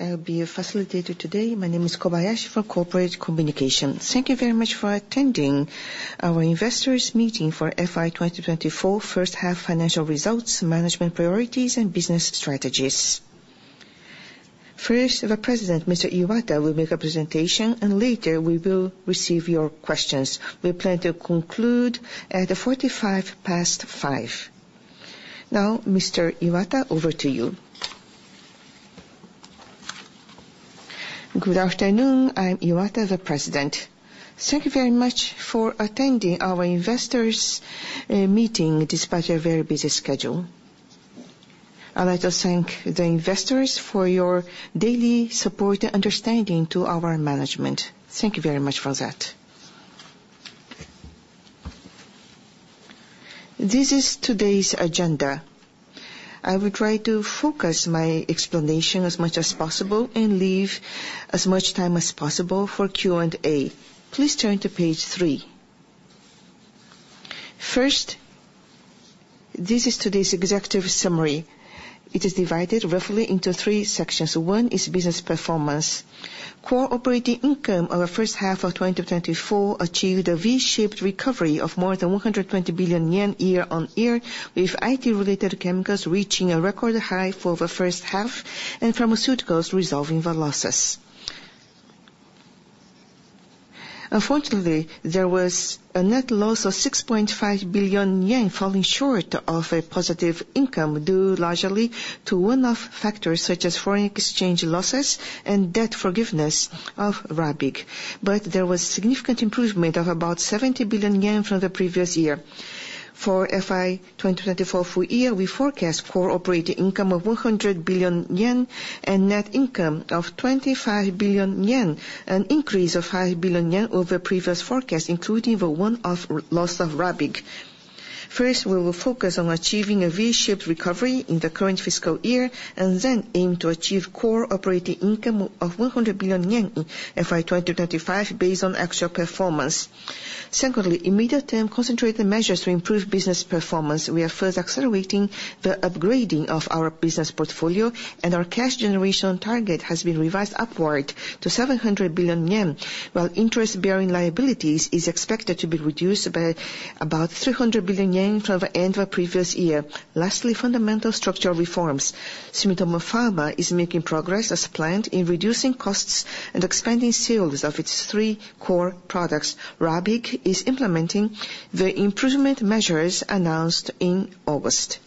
I'll be your facilitator today. My name is Kobayashi from Corporate Communications. Thank you very much for attending our investors' meeting for FY 2024, first-half financial results, management priorities, and business strategies. First, the President, Mr. Iwata, will make a presentation, and later we will receive your questions. We plan to conclude at 5:45 P.M. Now, Mr. Iwata, over to you. Good afternoon. I'm Iwata, the President. Thank you very much for attending our investors' meeting despite a very busy schedule. I'd like to thank the investors for your daily support and understanding to our management. Thank you very much for that. This is today's agenda. I will try to focus my explanation as much as possible and leave as much time as possible for Q&A. Please turn to page three. First, this is today's executive summary. It is divided roughly into three sections. One is business performance. Core operating income of the first half of 2024 achieved a V-shaped recovery of more than 120 billion yen year-on-year, with IT-related Chemicals reaching a record high for the first half and Pharmaceuticals resolving the losses. Unfortunately, there was a net loss of 6.5 billion yen falling short of a positive income due largely to one-off factors such as foreign exchange losses and debt forgiveness of Rabigh. But there was significant improvement of about 70 billion yen from the previous year. For FY 2024 full year, we forecast core operating income of 100 billion yen and net income of 25 billion yen, an increase of five billion yen over previous forecast, including the one-off loss of Petro Rabigh. First, we will focus on achieving a V-shaped recovery in the current fiscal year and then aim to achieve core operating income of 100 billion yen in FY 2025 based on actual performance. Secondly, immediate-term concentrated measures to improve business performance. We are first accelerating the upgrading of our business portfolio, and our cash generation target has been revised upward to 700 billion yen, while interest-bearing liabilities are expected to be reduced by about 300 billion yen from the end of the previous year. Lastly, fundamental structural reforms. Sumitomo Pharma is making progress as planned in reducing costs and expanding sales of its three core products. Rabigh is implementing the improvement measures announced in August.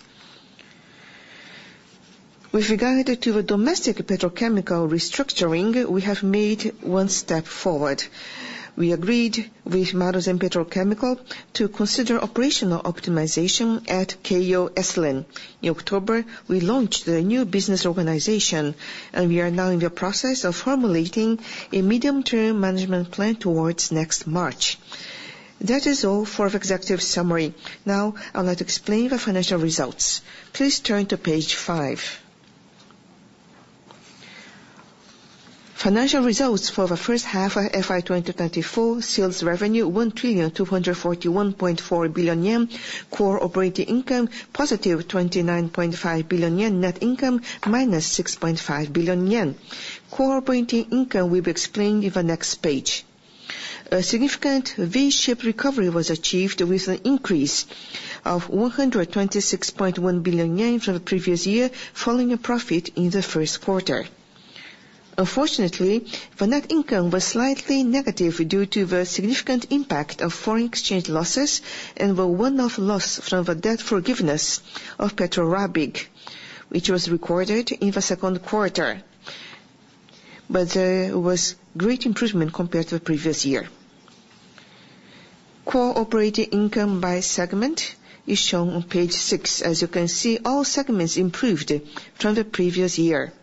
With regard to the domestic petrochemical restructuring, we have made one step forward. We agreed with Maruzen Petrochemical to consider operational optimization at Keiyo Ethylene. In October, we launched the new business organization, and we are now in the process of formulating a medium-term management plan towards next March. That is all for the executive summary. Now, I'd like to explain the financial results. Please turn to page five. Financial results for the first half of FY 2024: sales revenue 1,241.4 billion yen, core operating income positive 29.5 billion yen, net income minus 6.5 billion yen. Core operating income will be explained in the next page. A significant V-shaped recovery was achieved with an increase of 126.1 billion yen from the previous year, falling a profit in the first quarter. Unfortunately, the net income was slightly negative due to the significant impact of foreign exchange losses and the one-off loss from the debt forgiveness of Petro Rabigh, which was recorded in the second quarter, but there was great improvement compared to the previous year. Core operating income by segment is shown on page six. As you can see, all segments improved from the previous year.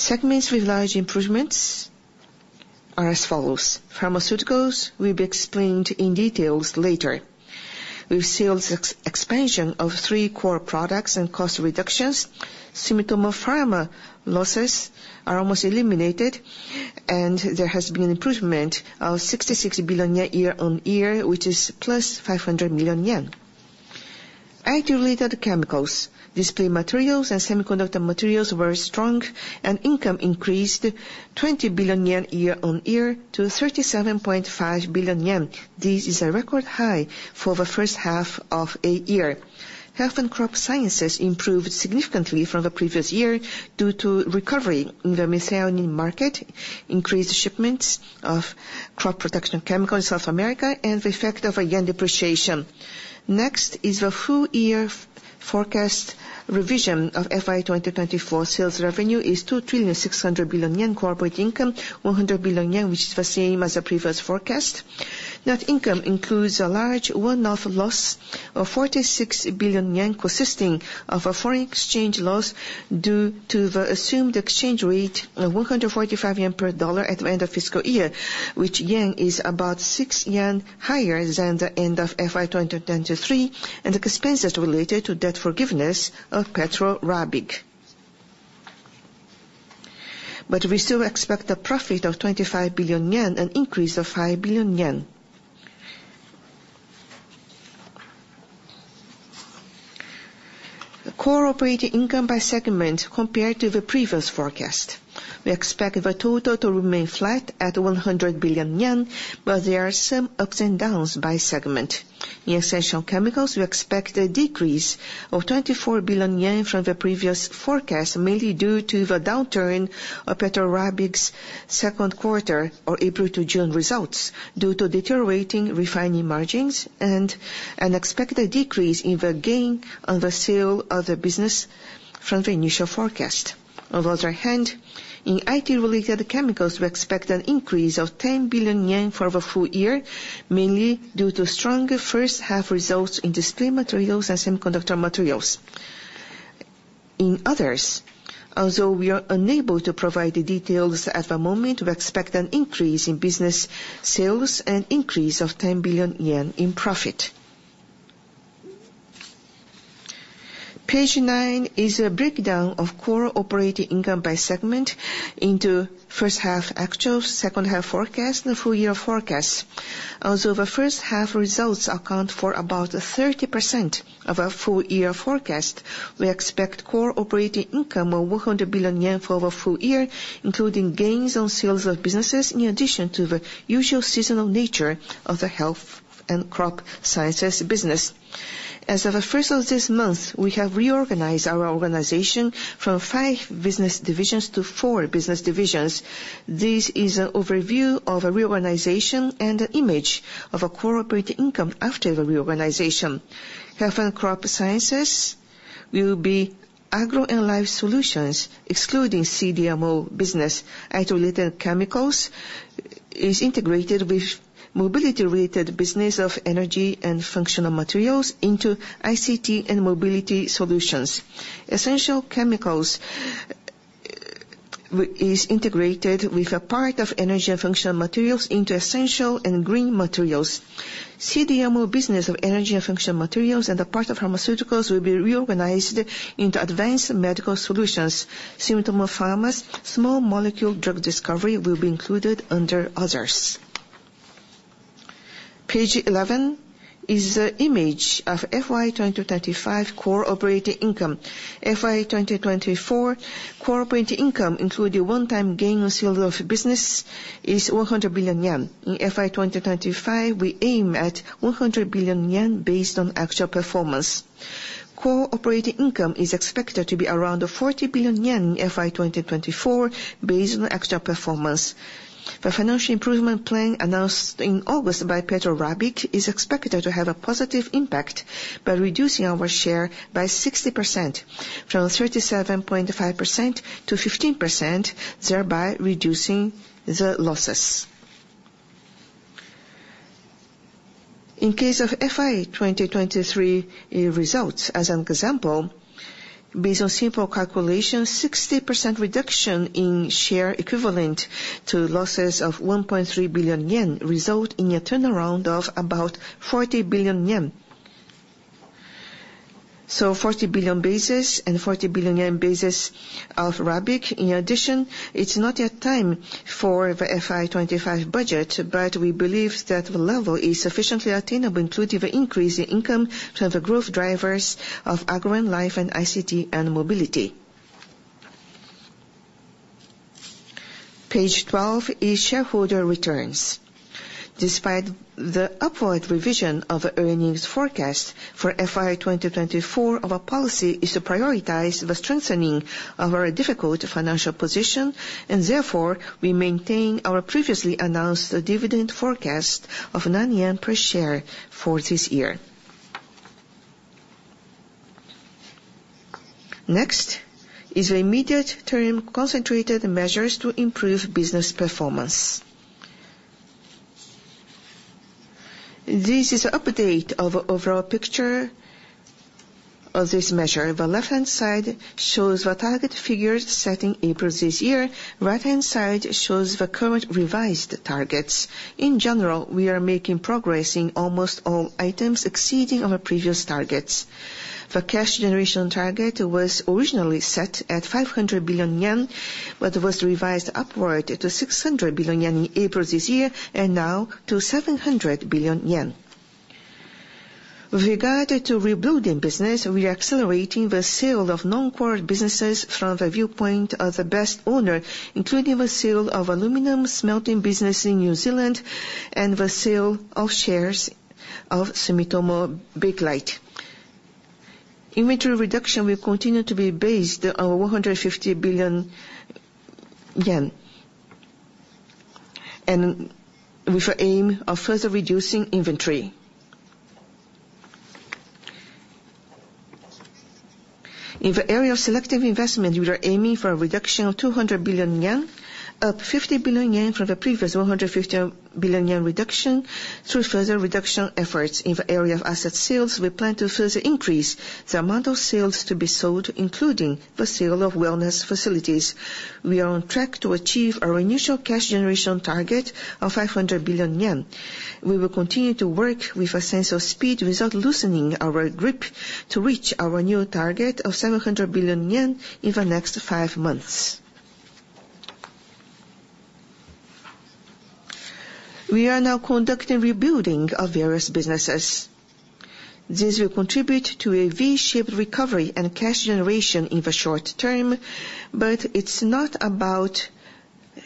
Segments with large improvements are as follows. Pharmaceuticals will be explained in detail later. With sales expansion of three core products and cost reductions, Sumitomo Pharma losses are almost eliminated, and there has been an improvement of 66 billion yen year-on-year, which is plus 500 million yen. IT-related Chemicals, display materials, and semiconductor materials were strong, and income increased 20 billion yen year-on-year to 37.5 billion yen. This is a record high for the first half of a year. Health and Crop Sciences improved significantly from the previous year due to recovery in the methionine market, increased shipments of crop protection chemicals in South America, and the effect of a yen depreciation. Next is the full-year forecast revision of FY 2024 sales revenue is ¥2,600 billion, core operating income ¥100 billion, which is the same as the previous forecast. Net income includes a large one-off loss of ¥46 billion consisting of a foreign exchange loss due to the assumed exchange rate of ¥145 per dollar at the end of fiscal year, which yen is about ¥6 higher than the end of FY 2023, and the expenses related to debt forgiveness of Petro Rabigh. But we still expect a profit of ¥25 billion and an increase of ¥5 billion. Core operating income by segment compared to the previous forecast. We expect the total to remain flat at 100 billion yen, but there are some ups and downs by segment. In Essential Chemicals, we expect a decrease of 24 billion yen from the previous forecast, mainly due to the downturn of Petro Rabigh's second quarter or April to June results due to deteriorating refining margins and an expected decrease in the gain on the sale of the business from the initial forecast. On the other hand, in IT-related Chemicals, we expect an increase of 10 billion yen for the full year, mainly due to strong first-half results in display materials and semiconductor materials. In Others, although we are unable to provide details at the moment, we expect an increase in business sales and an increase of 10 billion yen in profit. Page nine is a breakdown of core operating income by segment into first-half actual, second-half forecast, and full-year forecast. Although the first-half results account for about 30% of the full-year forecast, we expect core operating income of ¥100 billion for the full year, including gains on sales of businesses in addition to the usual seasonal nature of the Health and Crop Sciences business. As of the first of this month, we have reorganized our organization from five business divisions to four business divisions. This is an overview of a reorganization and an image of core operating income after the reorganization. Health and Crop Sciences will be Agro and Life Solutions, excluding CDMO business. IT-related Chemicals is integrated with mobility-related business of ICT and Mobility Solutions. Essential Chemicals is integrated with a part Essential and Green Materials. CDMO business of Energy and Functional Materials and a part of Pharmaceuticals will be reorganized into Advanced Medical Solutions. Sumitomo Pharma's small molecule drug discovery will be included under Others. Page 11 is an image of FY 2025 core operating income. FY 2024 core operating income, including one-time gain on sales of business, is 100 billion yen. In FY 2025, we aim at 100 billion yen based on actual performance. Core operating income is expected to be around 40 billion yen in FY 2024 based on actual performance. The financial improvement plan announced in August by Petro Rabigh is expected to have a positive impact by reducing our share by 60% from 37.5% to 15%, thereby reducing the losses. In case of FY 2023 results, as an example, based on simple calculations, a 60% reduction in share equivalent to losses of 1.3 billion yen results in a turnaround of about 40 billion yen. So, 40 billion and 40 billion yen basis of Rabigh. In addition, it's not yet time for the FY 2025 budget, but we believe that the level is sufficiently attainable, including the increase in income from the growth drivers of Agro and Life and ICT and Mobility. Page 12 is shareholder returns. Despite the upward revision of the earnings forecast for FY 2024, our policy is to prioritize the strengthening of our difficult financial position, and therefore we maintain our previously announced dividend forecast of 9 yen per share for this year. Next is the immediate-term concentrated measures to improve business performance. This is an update of the overall picture of this measure. The left-hand side shows the target figures set in April this year. The right-hand side shows the current revised targets. In general, we are making progress in almost all items exceeding our previous targets. The cash generation target was originally set at 500 billion yen, but was revised upward to 600 billion yen in April this year and now to 700 billion yen. With regard to rebuilding business, we are accelerating the sale of non-core businesses from the viewpoint of the best owner, including the sale of aluminum smelting business in New Zealand and the sale of shares of Sumitomo Bakelite. Inventory reduction will continue to be based on 150 billion yen and with the aim of further reducing inventory. In the area of selective investment, we are aiming for a reduction of 200 billion yen, up 50 billion yen from the previous 150 billion yen reduction through further reduction efforts. In the area of asset sales, we plan to further increase the amount of sales to be sold, including the sale of wellness facilities. We are on track to achieve our initial cash generation target of 500 billion yen. We will continue to work with a sense of speed without loosening our grip to reach our new target of ¥700 billion in the next five months. We are now conducting rebuilding of various businesses. This will contribute to a V-shaped recovery and cash generation in the short term, but it's not about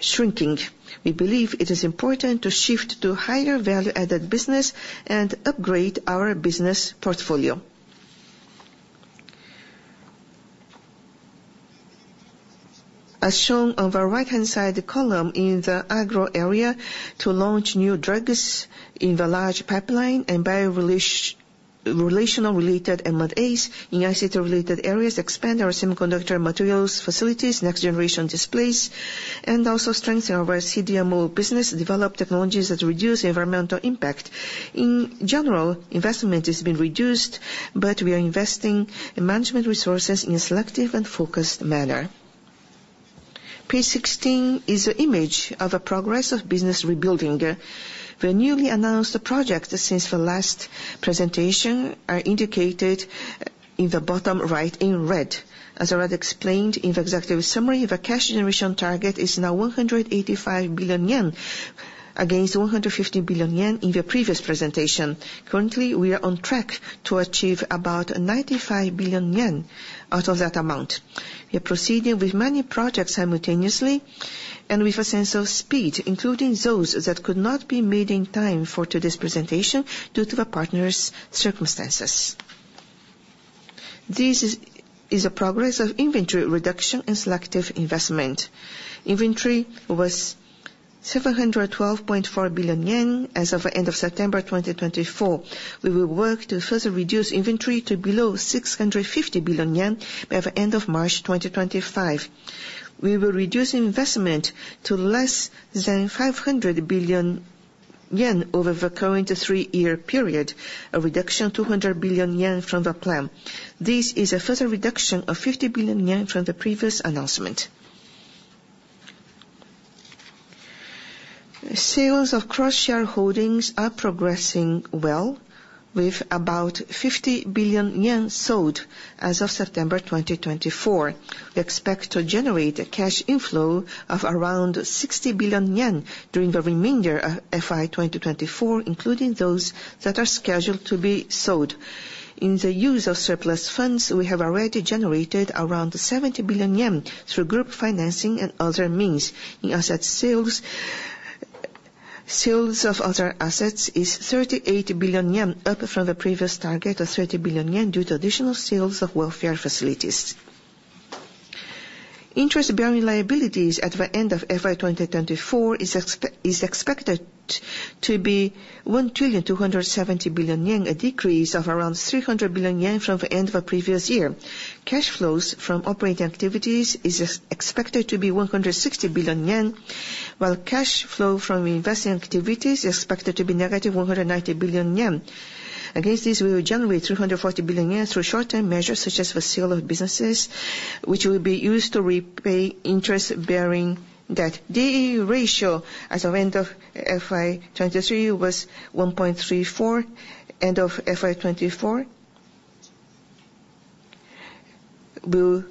shrinking. We believe it is important to shift to higher value-added business and upgrade our business portfolio. As shown on the right-hand side column in the agro area, to launch new drugs in the large pipeline and biorational-related M&As in ICT-related areas, expand our semiconductor materials facilities, next-generation displays, and also strengthen our CDMO business, develop technologies that reduce environmental impact. In general, investment has been reduced, but we are investing in management resources in a selective and focused manner. Page 16 is an image of the progress of business rebuilding. The newly announced projects since the last presentation are indicated in the bottom right in red. As I already explained in the executive summary, the cash generation target is now 185 billion yen against 150 billion yen in the previous presentation. Currently, we are on track to achieve about 95 billion yen out of that amount. We are proceeding with many projects simultaneously and with a sense of speed, including those that could not be made in time for today's presentation due to the partner's circumstances. This is the progress of inventory reduction and selective investment. Inventory was 712.4 billion yen as of the end of September 2024. We will work to further reduce inventory to below 650 billion yen by the end of March 2025. We will reduce investment to less than 500 billion yen over the current three-year period, a reduction of 200 billion yen from the plan. This is a further reduction of 50 billion yen from the previous announcement. Sales of cross-shareholdings are progressing well, with about 50 billion yen sold as of September 2024. We expect to generate a cash inflow of around 60 billion yen during the remainder of FY 2024, including those that are scheduled to be sold. In the use of surplus funds, we have already generated around 70 billion yen through group financing and other means. In asset sales, sales of other assets is 38 billion yen, up from the previous target of 30 billion yen due to additional sales of welfare facilities. Interest-bearing liabilities at the end of FY 2024 are expected to be 1,270 billion yen, a decrease of around 300 billion yen from the end of the previous year. Cash flows from operating activities are expected to be 160 billion yen, while cash flow from investing activities is expected to be negative 190 billion yen. Against this, we will generate 340 billion yen through short-term measures such as the sale of businesses, which will be used to repay interest-bearing debt. D/E ratio at the end of FY 2023 was 1.34. End of FY 2024 will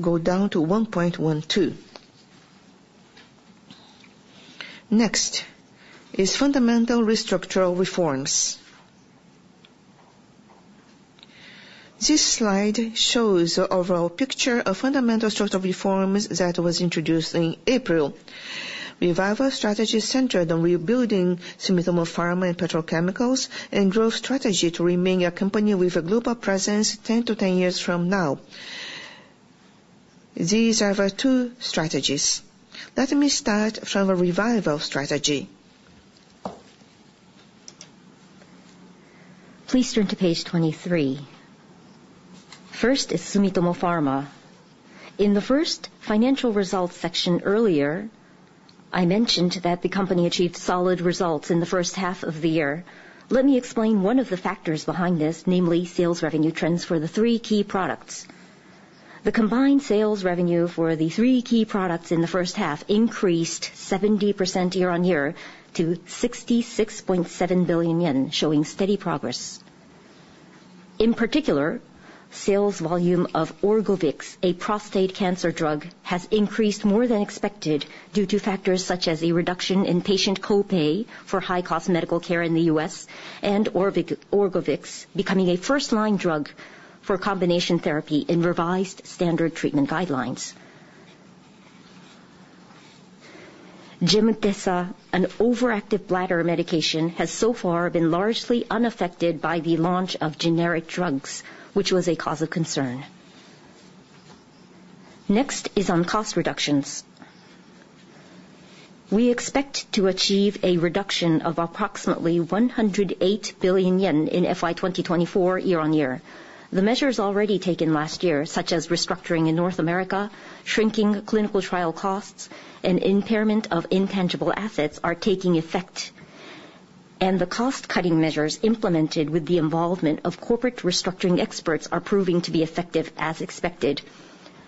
go down to 1.12. Next is fundamental structural reforms. This slide shows the overall picture of fundamental structural reforms that were introduced in April. We have a strategy centered on rebuilding Sumitomo Pharma and Petrochemicals and growth strategy to remain a company with a global presence 10 to 20 years from now. These are the two strategies. Let me start from a revival strategy. Please turn to page 23. First is Sumitomo Pharma. In the first financial results section earlier, I mentioned that the company achieved solid results in the first half of the year. Let me explain one of the factors behind this, namely sales revenue trends for the three key products. The combined sales revenue for the three key products in the first half increased 70% year-on-year to 66.7 billion yen, showing steady progress. In particular, sales volume of Orgovyx, a prostate cancer drug, has increased more than expected due to factors such as a reduction in patient copay for high-cost medical care in the U.S. and Orgovyx becoming a first-line drug for combination therapy in revised standard treatment guidelines. Gemtesa, an overactive bladder medication, has so far been largely unaffected by the launch of generic drugs, which was a cause of concern. Next is on cost reductions. We expect to achieve a reduction of approximately 108 billion yen in FY 2024 year-on-year. The measures already taken last year, such as restructuring in North America, shrinking clinical trial costs, and impairment of intangible assets, are taking effect, and the cost-cutting measures implemented with the involvement of corporate restructuring experts are proving to be effective as expected.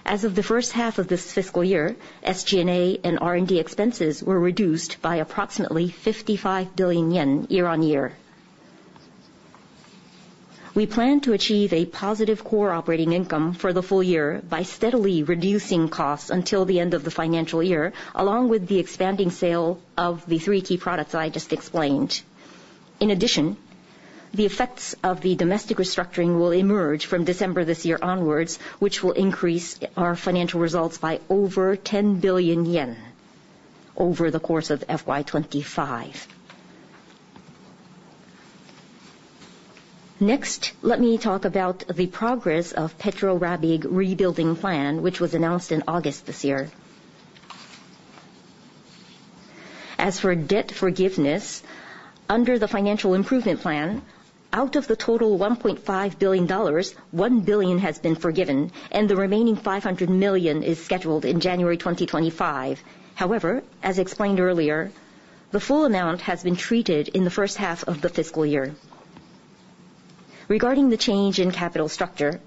As of the first half of this fiscal year, SG&A and R&D expenses were reduced by approximately ¥55 billion year-on-year. We plan to achieve a positive core operating income for the full year by steadily reducing costs until the end of the financial year, along with the expanding sale of the three key products I just explained. In addition, the effects of the domestic restructuring will emerge from December this year onwards, which will increase our financial results by over ¥10 billion over the course of FY 2025. Next, let me talk about the progress of Petro Rabigh's rebuilding plan, which was announced in August this year. As for debt forgiveness, under the financial improvement plan, out of the total $1.5 billion, $1 billion has been forgiven, and the remaining $500 million is scheduled in January 2025. However, as explained earlier, the full amount has been treated in the first half of the fiscal year. Regarding the change in capital structure,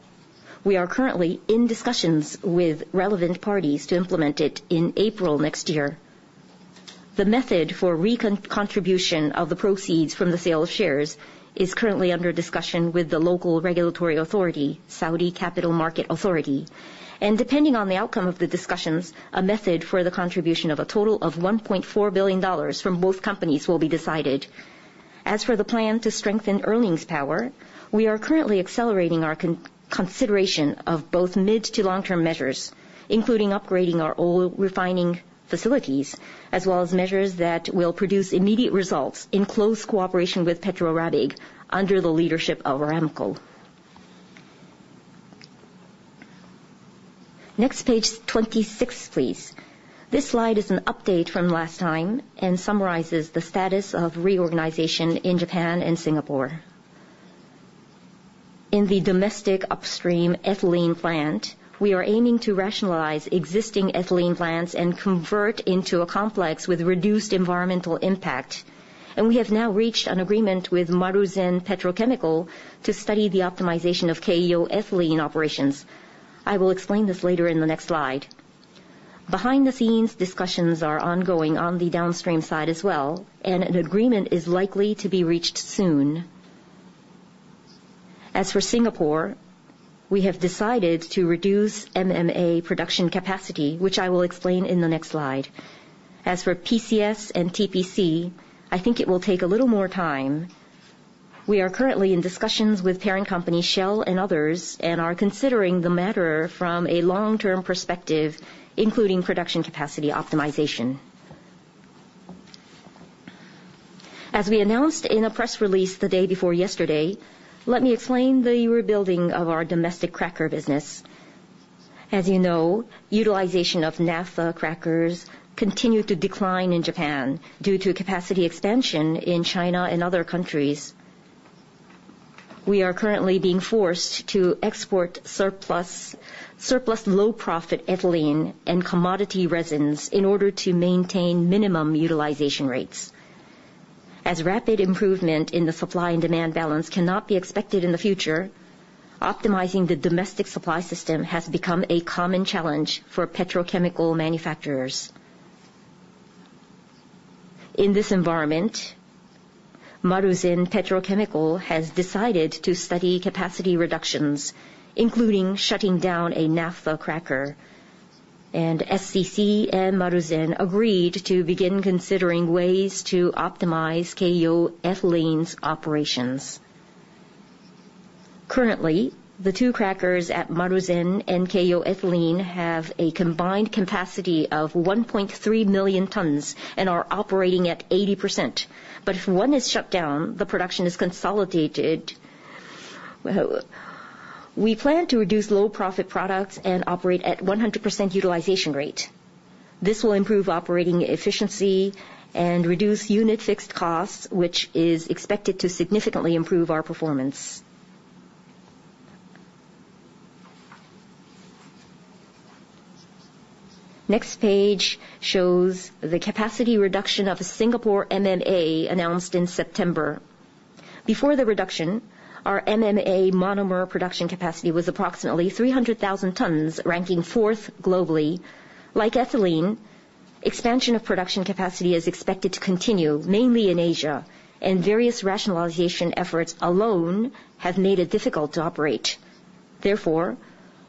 we are currently in discussions with relevant parties to implement it in April next year. The method for recontribution of the proceeds from the sale of shares is currently under discussion with the local regulatory authority, Saudi Capital Market Authority, and depending on the outcome of the discussions, a method for the contribution of a total of $1.4 billion from both companies will be decided. As for the plan to strengthen earnings power, we are currently accelerating our consideration of both mid- to long-term measures, including upgrading our old refining facilities, as well as measures that will produce immediate results in close cooperation with Petro Rabigh under the leadership of Aramco. Next, page 26, please. This slide is an update from last time and summarizes the status of reorganization in Japan and Singapore. In the domestic upstream ethylene plant, we are aiming to rationalize existing ethylene plants and convert into a complex with reduced environmental impact, and we have now reached an agreement with Maruzen Petrochemical to study the optimization of Keiyo Ethylene operations. I will explain this later in the next slide. Behind-the-scenes discussions are ongoing on the downstream side as well, and an agreement is likely to be reached soon. As for Singapore, we have decided to reduce MMA production capacity, which I will explain in the next slide. As for PCS and TPC, I think it will take a little more time. We are currently in discussions with parent company Shell and Others and are considering the matter from a long-term perspective, including production capacity optimization. As we announced in a press release the day before yesterday, let me explain the rebuilding of our domestic cracker business. As you know, utilization of naphtha crackers continued to decline in Japan due to capacity expansion in China and other countries. We are currently being forced to export surplus low-profit ethylene and commodity resins in order to maintain minimum utilization rates. As rapid improvement in the supply and demand balance cannot be expected in the future, optimizing the domestic supply system has become a common challenge for petrochemical manufacturers. In this environment, Maruzen Petrochemical has decided to study capacity reductions, including shutting down a naphtha cracker, and SCC and Maruzen agreed to begin considering ways to optimize Keiyo Ethylene's operations. Currently, the two crackers at Maruzen and Keiyo Ethylene have a combined capacity of 1.3 million tons and are operating at 80%. But if one is shut down, the production is consolidated. We plan to reduce low-profit products and operate at 100% utilization rate. This will improve operating efficiency and reduce unit fixed costs, which is expected to significantly improve our performance. Next page shows the capacity reduction of Singapore MMA announced in September. Before the reduction, our MMA monomer production capacity was approximately 300,000 tons, ranking fourth globally. Like ethylene, expansion of production capacity is expected to continue, mainly in Asia, and various rationalization efforts alone have made it difficult to operate. Therefore,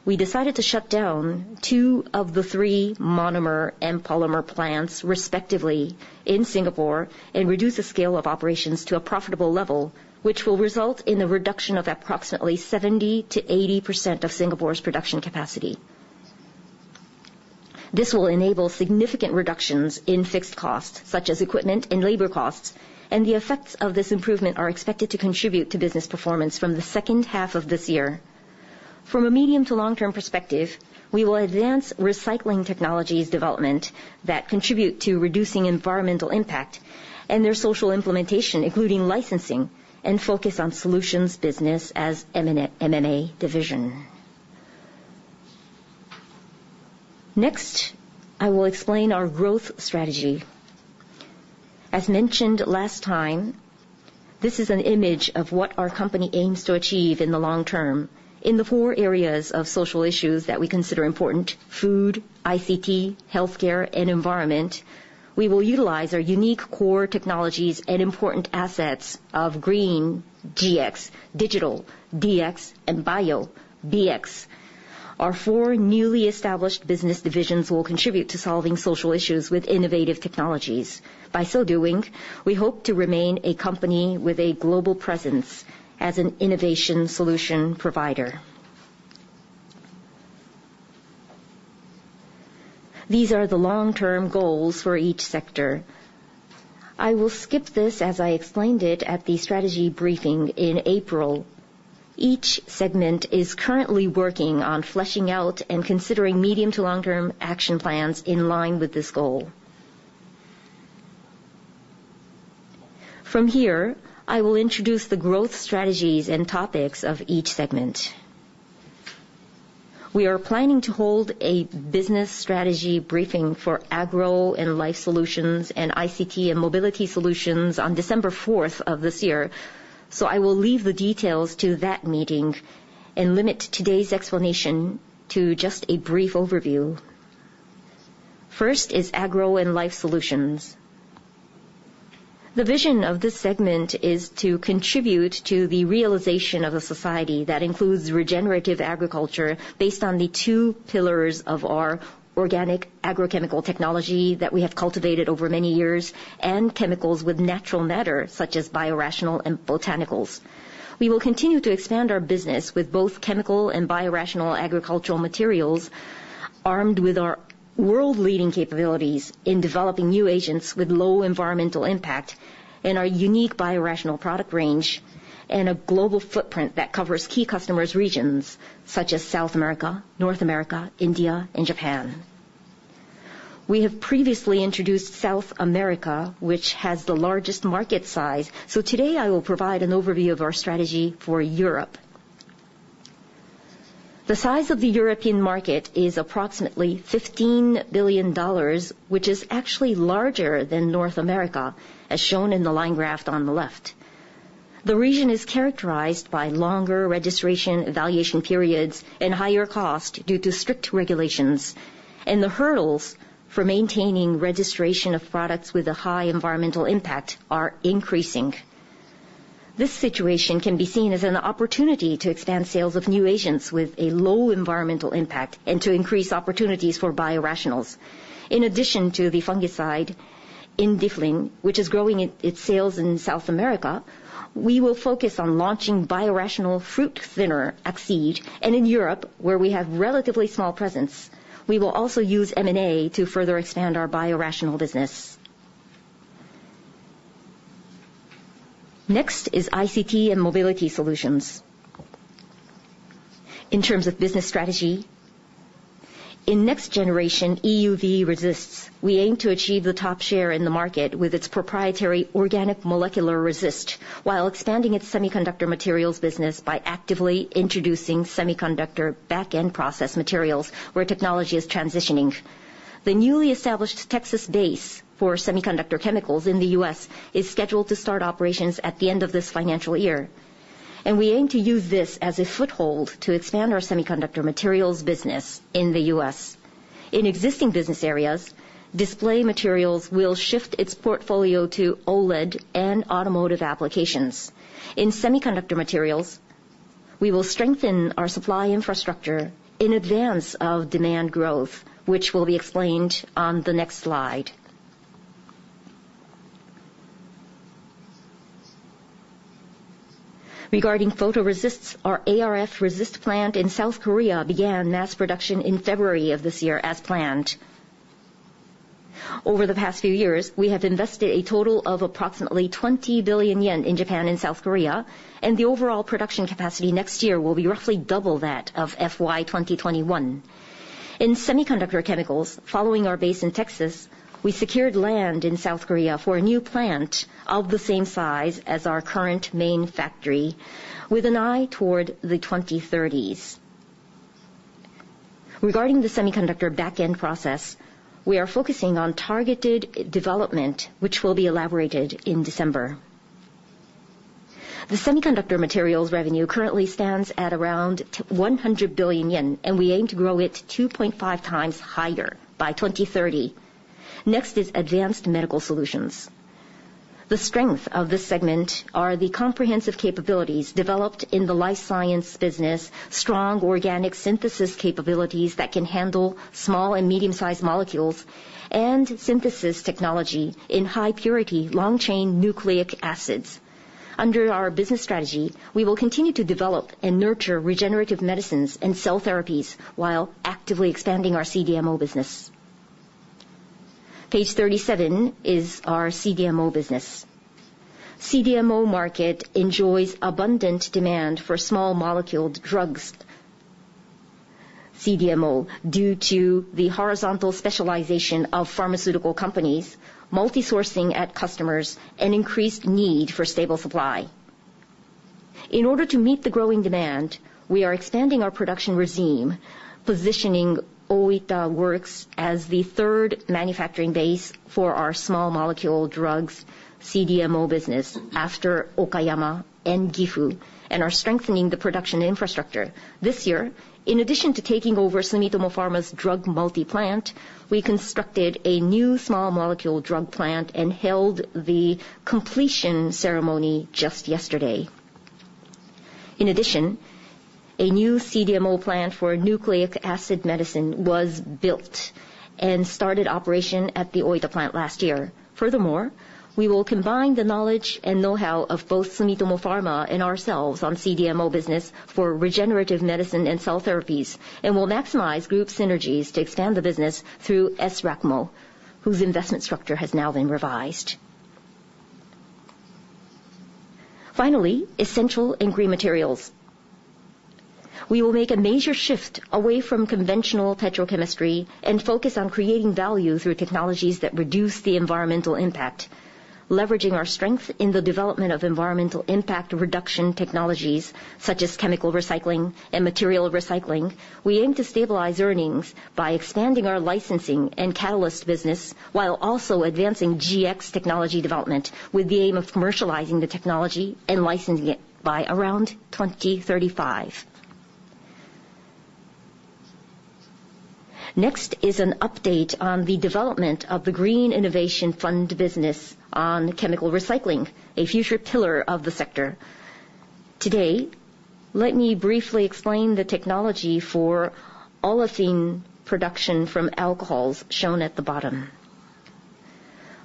we decided to shut down two of the three monomer and polymer plants, respectively, in Singapore and reduce the scale of operations to a profitable level, which will result in the reduction of approximately 70%-80% of Singapore's production capacity. This will enable significant reductions in fixed costs, such as equipment and labor costs, and the effects of this improvement are expected to contribute to business performance from the second half of this year. From a medium to long-term perspective, we will advance recycling technologies' development that contribute to reducing environmental impact and their social implementation, including licensing and focus on solutions business as MMA division. Next, I will explain our growth strategy. As mentioned last time, this is an image of what our company aims to achieve in the long term. In the four areas of social issues that we consider important: food, ICT, healthcare, and environment, we will utilize our unique core technologies and important assets of Green-GX, Digital-DX, and Bio-BX. Our four newly established business divisions will contribute to solving social issues with innovative technologies. By so doing, we hope to remain a company with a global presence as an innovation solution provider. These are the long-term goals for each sector. I will skip this as I explained it at the strategy briefing in April. Each segment is currently working on fleshing out and considering medium to long-term action plans in line with this goal. From here, I will introduce the growth strategies and topics of each segment. We are planning to hold a business strategy briefing for agro and life ICT and Mobility Solutions on December 4th of this year. So I will leave the details to that meeting and limit today's explanation to just a brief overview. First is Agro and Life Solutions. The vision of this segment is to contribute to the realization of a society that includes regenerative agriculture based on the two pillars of our organic agrochemical technology that we have cultivated over many years and chemicals with natural matter, such as biorational and botanicals. We will continue to expand our business with both chemical and biorational agricultural materials armed with our world-leading capabilities in developing new agents with low environmental impact and our unique biorational product range and a global footprint that covers key customers' regions such as South America, North America, India, and Japan. We have previously introduced South America, which has the largest market size. So today, I will provide an overview of our strategy for Europe. The size of the European market is approximately $15 billion, which is actually larger than North America, as shown in the line graph on the left. The region is characterized by longer registration evaluation periods and higher costs due to strict regulations. The hurdles for maintaining registration of products with a high environmental impact are increasing. This situation can be seen as an opportunity to expand sales of new agents with a low environmental impact and to increase opportunities for biorationals. In addition to the fungicide Indiflin, which is growing its sales in South America, we will focus on launching biorational fruit thinner Accede. In Europe, where we have relatively small presence, we will also use M&A to further expand our biorational business. next is ICT and Mobility Solutions. In terms of business strategy, in next generation EUV resists, we aim to achieve the top share in the market with its proprietary organic molecular resist while expanding its semiconductor materials business by actively introducing semiconductor back-end process materials where technology is transitioning. The newly established Texas base for semiconductor chemicals in the U.S. is scheduled to start operations at the end of this financial year, and we aim to use this as a foothold to expand our semiconductor materials business in the U.S. In existing business areas, display materials will shift its portfolio to OLED and automotive applications. In semiconductor materials, we will strengthen our supply infrastructure in advance of demand growth, which will be explained on the next slide. Regarding photoresists, our ArF resist plant in South Korea began mass production in February of this year as planned. Over the past few years, we have invested a total of approximately 20 billion yen in Japan and South Korea, and the overall production capacity next year will be roughly double that of FY 2021. In semiconductor chemicals, following our base in Texas, we secured land in South Korea for a new plant of the same size as our current main factory with an eye toward the 2030s. Regarding the semiconductor back-end process, we are focusing on targeted development, which will be elaborated in December. The semiconductor materials revenue currently stands at around 100 billion yen, and we aim to grow it 2.5 times higher by 2030. Next is Advanced Medical Solutions. The strength of this segment are the comprehensive capabilities developed in the life science business, strong organic synthesis capabilities that can handle small and medium-sized molecules, and synthesis technology in high-purity long-chain nucleic acids. Under our business strategy, we will continue to develop and nurture regenerative medicines and cell therapies while actively expanding our CDMO business. Page 37 is our CDMO business. CDMO market enjoys abundant demand for small molecule drugs, CDMO, due to the horizontal specialization of pharmaceutical companies, multi-sourcing at customers, and increased need for stable supply. In order to meet the growing demand, we are expanding our production regime, positioning Oita Works as the third manufacturing base for our small molecule drugs CDMO business after Okayama and Gifu, and are strengthening the production infrastructure. This year, in addition to taking over Sumitomo Pharma's drug multi-plant, we constructed a new small molecule drug plant and held the completion ceremony just yesterday. In addition, a new CDMO plant for nucleic acid medicine was built and started operation at the Oita plant last year. Furthermore, we will combine the knowledge and know-how of both Sumitomo Pharma and ourselves on CDMO business for regenerative medicine and cell therapies, and we'll maximize group synergies to expand the business through S-RACMO, whose investment structure has now Essential and Green Materials. we will make a major shift away from conventional petrochemistry and focus on creating value through technologies that reduce the environmental impact. Leveraging our strength in the development of environmental impact reduction technologies such as chemical recycling and material recycling, we aim to stabilize earnings by expanding our licensing and catalyst business while also advancing GX technology development with the aim of commercializing the technology and licensing it by around 2035. Next is an update on the development of the Green Innovation Fund business on chemical recycling, a future pillar of the sector. Today, let me briefly explain the technology for ethylene production from alcohols shown at the bottom.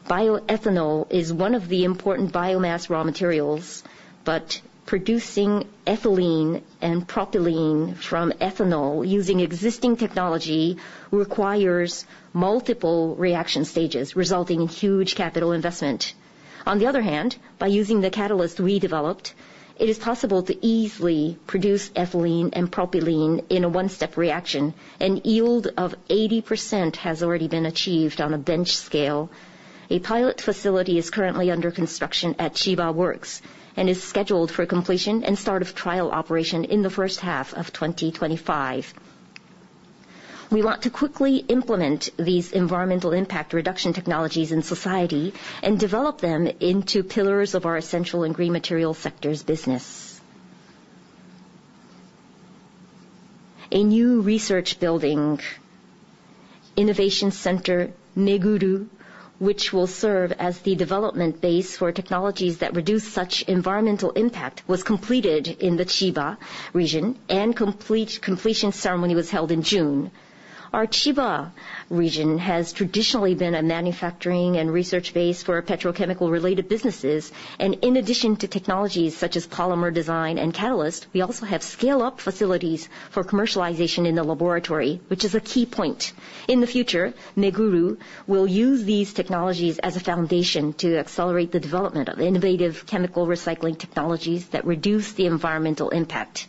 Bioethanol is one of the important biomass raw materials, but producing ethylene and propylene from ethanol using existing technology requires multiple reaction stages, resulting in huge capital investment. On the other hand, by using the catalyst we developed, it is possible to easily produce ethylene and propylene in a one-step reaction, and yield of 80% has already been achieved on a bench scale. A pilot facility is currently under construction at Ehime Works and is scheduled for completion and start of trial operation in the first half of 2025. We want to quickly implement these environmental impact reduction technologies in society and develop them into our Essential and Green Materials sector's business. A new research building innovation center, Meguru, which will serve as the development base for technologies that reduce such environmental impact, was completed in the Chiba region, and completion ceremony was held in June. Our Chiba region has traditionally been a manufacturing and research base for petrochemical-related businesses, and in addition to technologies such as polymer design and catalyst, we also have scale-up facilities for commercialization in the laboratory, which is a key point. In the future, Meguru will use these technologies as a foundation to accelerate the development of innovative chemical recycling technologies that reduce the environmental impact.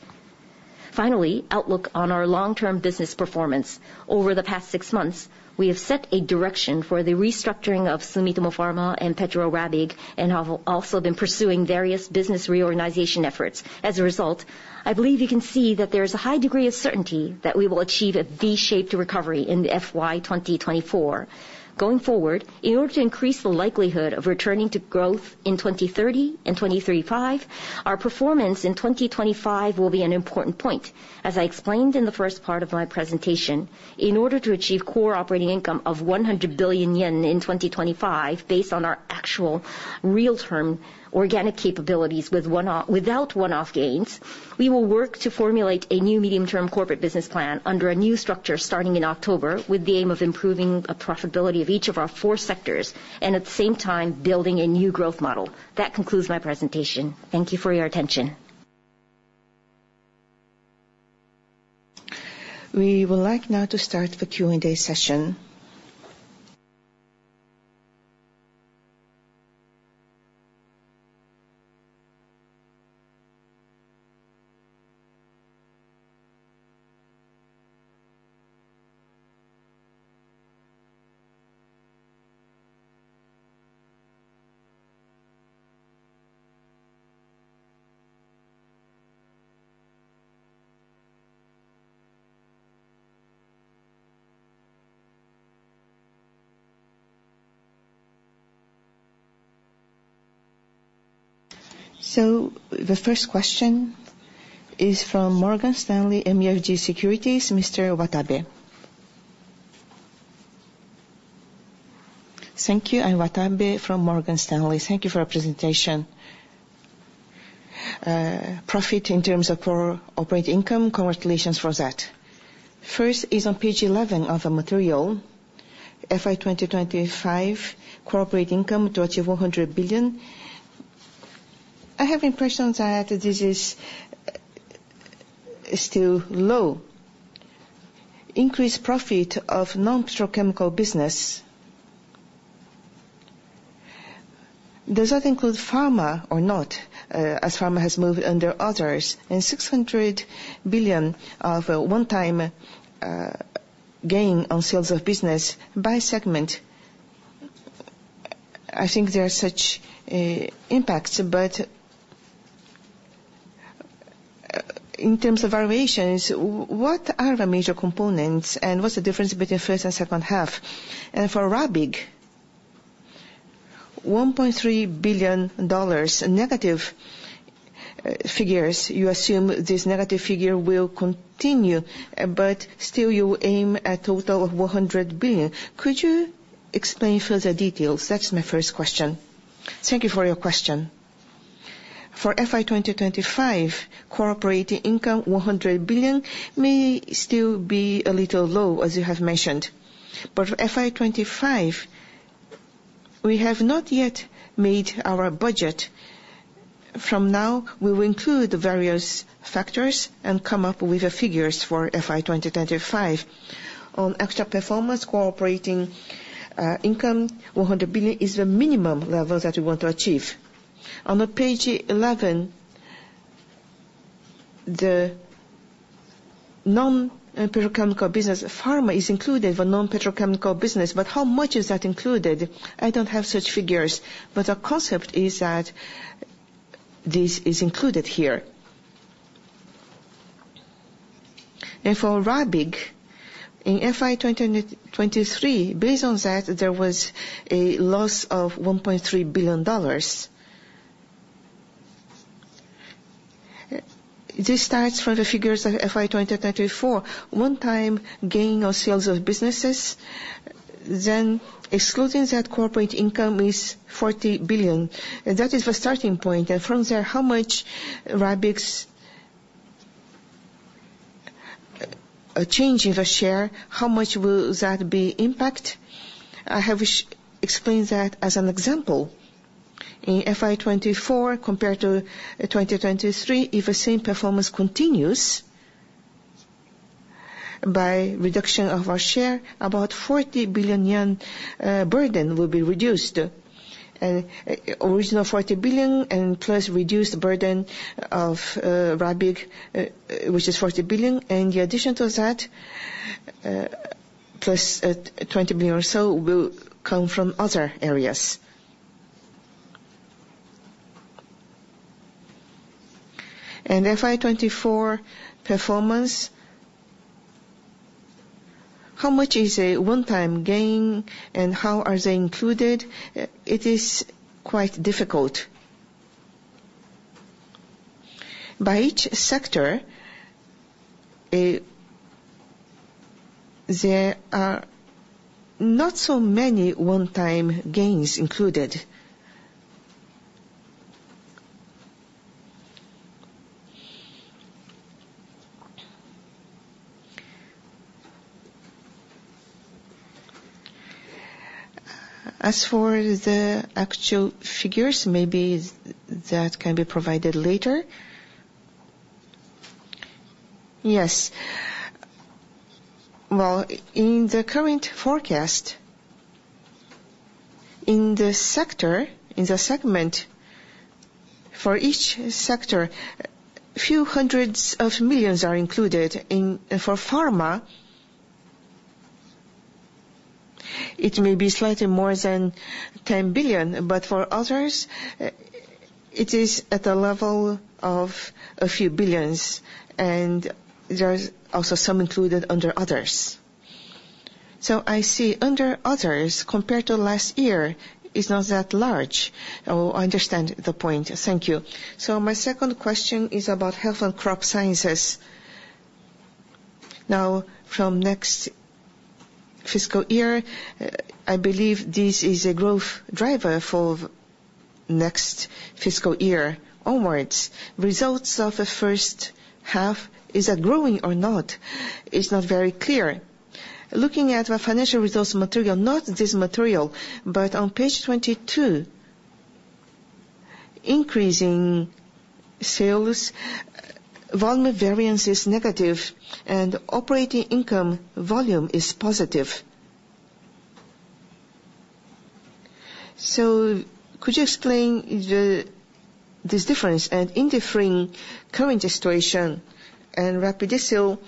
Finally, outlook on our long-term business performance. Over the past six months, we have set a direction for the restructuring of Sumitomo Pharma and Petro Rabigh, and have also been pursuing various business reorganization efforts. As a result, I believe you can see that there is a high degree of certainty that we will achieve a V-shaped recovery in FY 2024. Going forward, in order to increase the likelihood of returning to growth in 2030 and 2035, our performance in 2025 will be an important point. As I explained in the first part of my presentation, in order to achieve core operating income of 100 billion yen in 2025 based on our actual real-term organic capabilities without one-off gains, we will work to formulate a new medium-term corporate business plan under a new structure starting in October with the aim of improving the profitability of each of our four sectors and at the same time building a new growth model. That concludes my presentation. Thank you for your attention. We would like now to start the Q&A session. The first question is from Morgan Stanley MUFG Securities, Mr. Watanabe. Thank you. And Watanabe from Morgan Stanley. Thank you for your presentation. Profit in terms of core operating income, congratulations for that. First is on page 11 of the material, FY 2025 core operating income to achieve ¥100 billion. I have impressions that this is still low. Increased profit of non-petrochemical business. Does that include Pharma or not, as Pharma has moved under Others? And ¥600 billion of a one-time gain on sales of business by segment. I think there are such impacts, but in terms of variations, what are the major components and what's the difference between first and second half? And for Rabigh, $1.3 billion negative figures. You assume this negative figure will continue, but still you aim a total of ¥100 billion. Could you explain further details? That's my first question. Thank you for your question. For FY 2025, core operating income 100 billion may still be a little low, as you have mentioned. But for FY 2025, we have not yet made our budget. From now, we will include the various factors and come up with the figures for FY 2025. On extra performance, core operating income 100 billion is the minimum level that we want to achieve. On page 11, the non-petrochemical business Pharma is included for non-petrochemical business, but how much is that included? I don't have such figures, but the concept is that this is included here. And for Rabigh, in FY 2023, based on that, there was a loss of $1.3 billion. This starts from the figures of FY 2024, one-time gain of sales of businesses. Then excluding that, core operating income is 40 billion. That is the starting point. From there, how much Rabigh's change in the share, how much will that be impact? I have explained that as an example. In FY 2024, compared to 2023, if the same performance continues by reduction of our share, about 40 billion yen burden will be reduced. Original 40 billion and plus reduced burden of Rabigh, which is 40 billion, and the addition to that, plus 20 billion or so, will come from other areas. FY 2024 performance, how much is a one-time gain and how are they included? It is quite difficult. By each sector, there are not so many one-time gains included. As for the actual figures, maybe that can be provided later. Yes. In the current forecast, in the sector, in the segment, for each sector, a few hundreds of millions are included. For Pharma, it may be slightly more than ¥10 billion, but for Others, it is at the level of a few billions, and there's also some included under Others. I see under Others, compared to last year, it's not that large. Oh, I understand the point. Thank you. My second question is about Health and Crop Sciences. Now, from next fiscal year, I believe this is a growth driver for next fiscal year onwards. Results of the first half, is that growing or not? It's not very clear. Looking at the financial results material, not this material, but on page 22, increasing sales, volume variance is negative, and operating income volume is positive. Could you explain this difference and the current situation and Rapidicil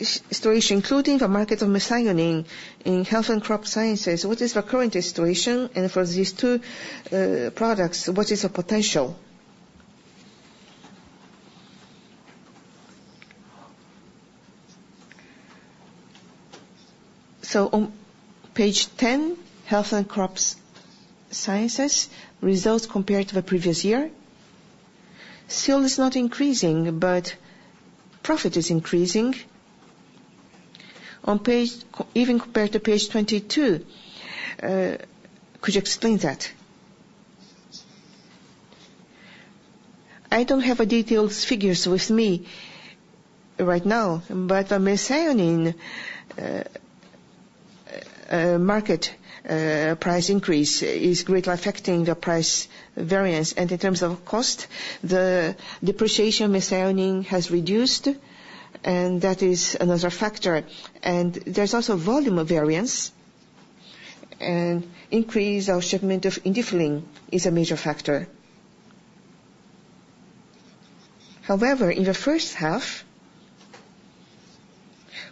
situation, including the market of methionine in Health and Crop Sciences? What is the current situation? For these two products, what is the potential? On page 10, Health and Crop Sciences, results compared to the previous year. Sales is not increasing, but profit is increasing. Even compared to page 22, could you explain that? I don't have the detailed figures with me right now, but the methionine market price increase is greatly affecting the price variance. And in terms of cost, the depreciation methionine has reduced, and that is another factor. And there's also volume variance, and increase of shipment of Indiflin is a major factor. However, in the first half,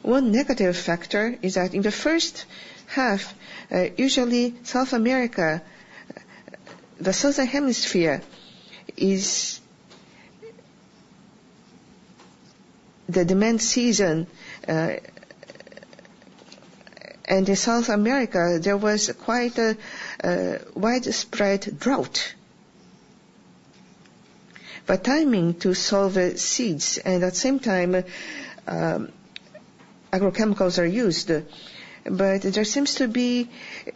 one negative factor is that in the first half, usually South America, the southern hemisphere is the demand season. And in South America, there was quite a widespread drought. But timing to sow the seeds and at the same time, agrochemicals are used. But there seems to be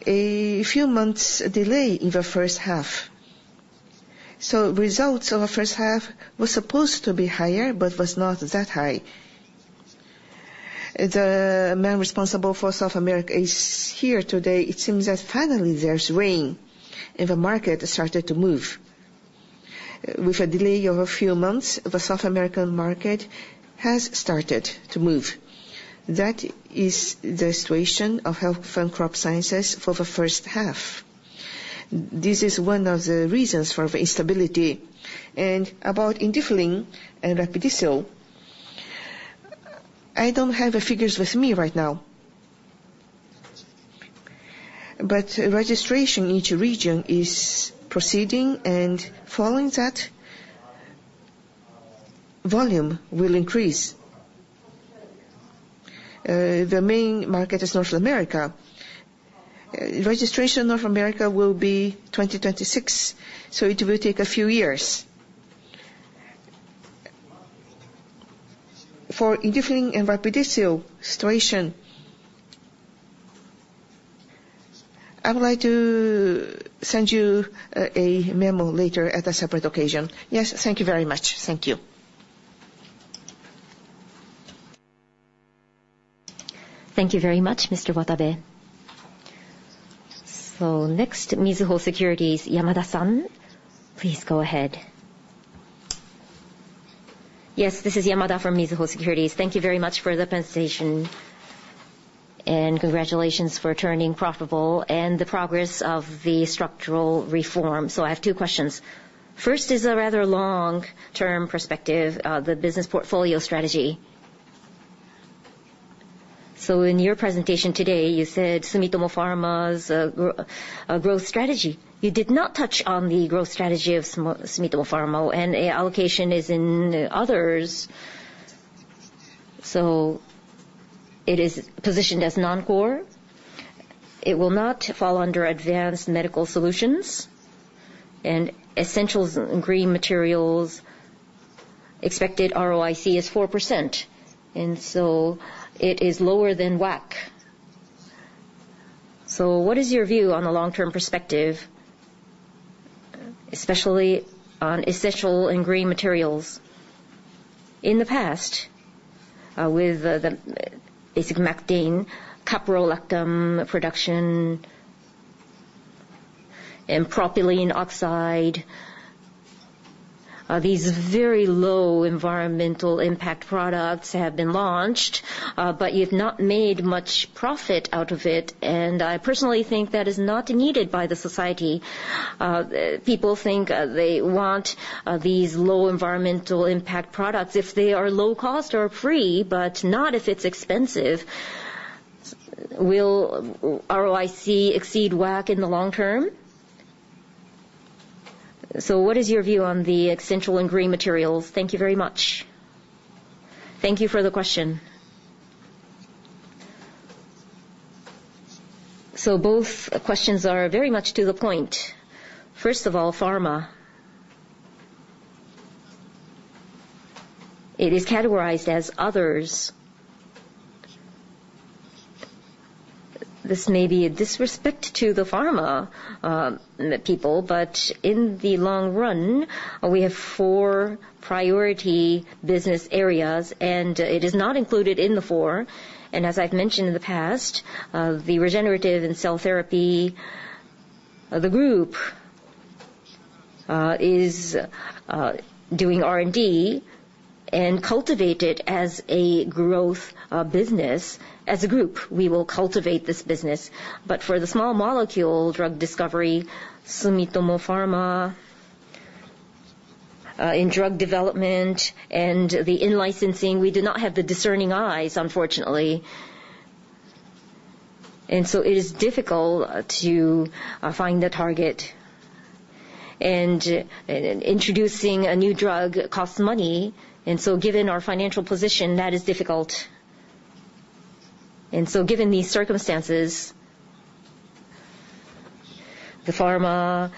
a few months' delay in the first half. So results of the first half were supposed to be higher, but was not that high. The man responsible for South America is here today. It seems that finally there's rain and the market started to move. With a delay of a few months, the South American market has started to move. That is the situation of Health and Crop Sciences for the first half. This is one of the reasons for the instability. And about Indiflin and Rapidicil, I don't have the figures with me right now. But registration in each region is proceeding, and following that, volume will increase. The main market is North America. Registration in North America will be 2026, so it will take a few years. For Indiflin and Rapidicil situation, I would like to send you a memo later at a separate occasion. Yes, thank you very much. Thank you. Thank you very much, Mr. Watanabe. Next, Mizuho Securities, Yamada-san. Please go ahead. Yes, this is Yamada from Mizuho Securities. Thank you very much for the presentation, and congratulations for turning profitable and the progress of the structural reform. I have two questions. First is a rather long-term perspective, the business portfolio strategy. In your presentation today, you said Sumitomo Pharma's growth strategy. You did not touch on the growth strategy of Sumitomo Pharma, and the allocation is in Others. It is positioned as non-core. It will not fall under Advanced Medical Solutions and Essential Green Materials. Expected ROIC is 4%. It is lower than WACC. So what is your view on the long-term Essential and Green Materials? in the past, with the basic ethylene, caprolactam production, and propylene oxide, these very low environmental impact products have been launched, but you've not made much profit out of it. And I personally think that is not needed by the society. People think they want these low environmental impact products if they are low cost or free, but not if it's expensive. Will ROIC exceed WACC in the long term? So what is your Essential and Green Materials? thank you very much. Thank you for the question. So both questions are very much to the point. First of all, Pharma. It is categorized as Others. This may be a disrespect to the Pharma people, but in the long run, we have four priority business areas, and it is not included in the four. And as I've mentioned in the past, the regenerative and cell therapy group is doing R&D and cultivated as a growth business. As a group, we will cultivate this business. But for the small molecule drug discovery, Sumitomo Pharma in drug development and the in-licensing, we do not have the discerning eyes, unfortunately. And so it is difficult to find the target. And introducing a new drug costs money. And so given our financial position, that is difficult. And so given these circumstances, the Pharma,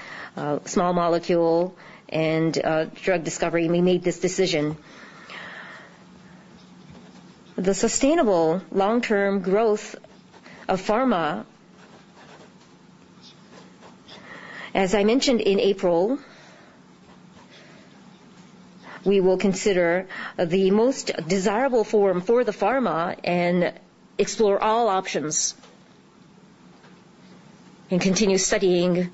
small molecule, and drug discovery, we made this decision. The sustainable long-term growth of Pharma, as I mentioned in April, we will consider the most desirable form for the Pharma and explore all options and continue studying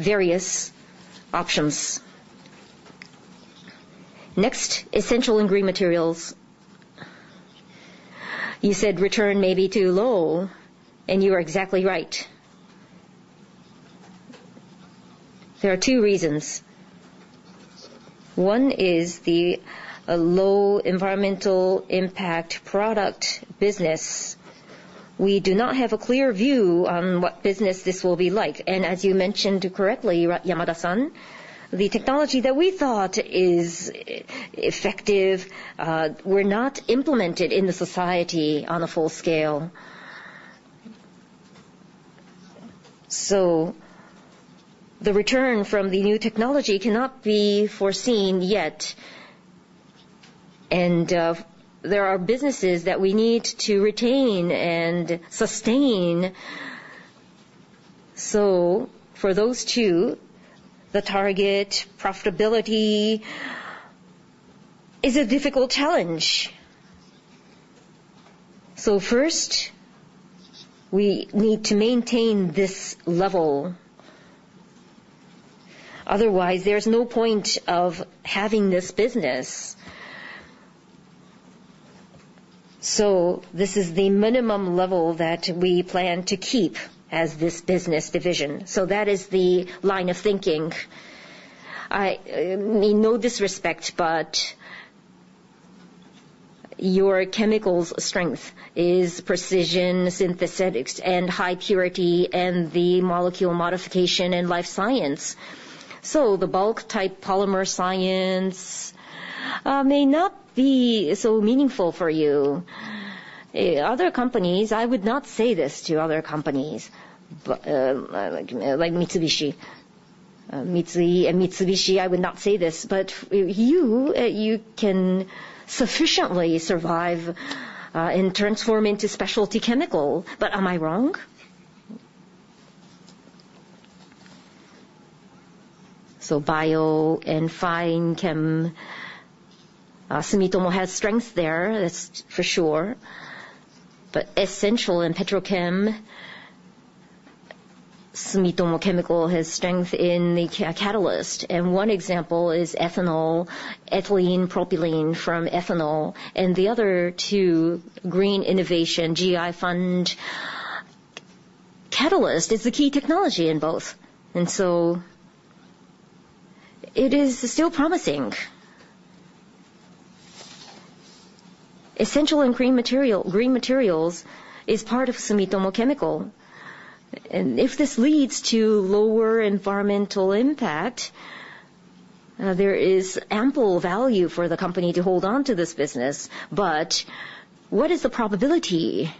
Essential and Green Materials. you said return may be too low, and you are exactly right. There are two reasons. One is the low environmental impact product business. We do not have a clear view on what business this will be like, and as you mentioned correctly, Yamada-san, the technology that we thought is effective were not implemented in the society on a full scale, so the return from the new technology cannot be foreseen yet, and there are businesses that we need to retain and sustain, so for those two, the target profitability is a difficult challenge, so first, we need to maintain this level. Otherwise, there's no point of having this business. So this is the minimum level that we plan to keep as this business division. So that is the line of thinking. No disrespect, but your chemicals' strength is precision, synthetics, and high purity, and the molecule modification and life science. So the bulk-type polymer science may not be so meaningful for you. Other companies, I would not say this to other companies like Mitsubishi. Mitsui and Mitsubishi, I would not say this, but you can sufficiently survive and transform into specialty chemicals. But am I wrong? So bio and fine chem, Sumitomo has strength there, that's for sure. But essential and petrochem, Sumitomo Chemical has strength in the catalyst. And one example is ethanol, ethylene propylene from ethanol. And the other two, green innovation, GX fund catalyst is the key technology in both. And so it Essential and Green Materials is part of Sumitomo Chemical. If this leads to lower environmental impact, there is ample value for the company to hold on to this business. What is the probability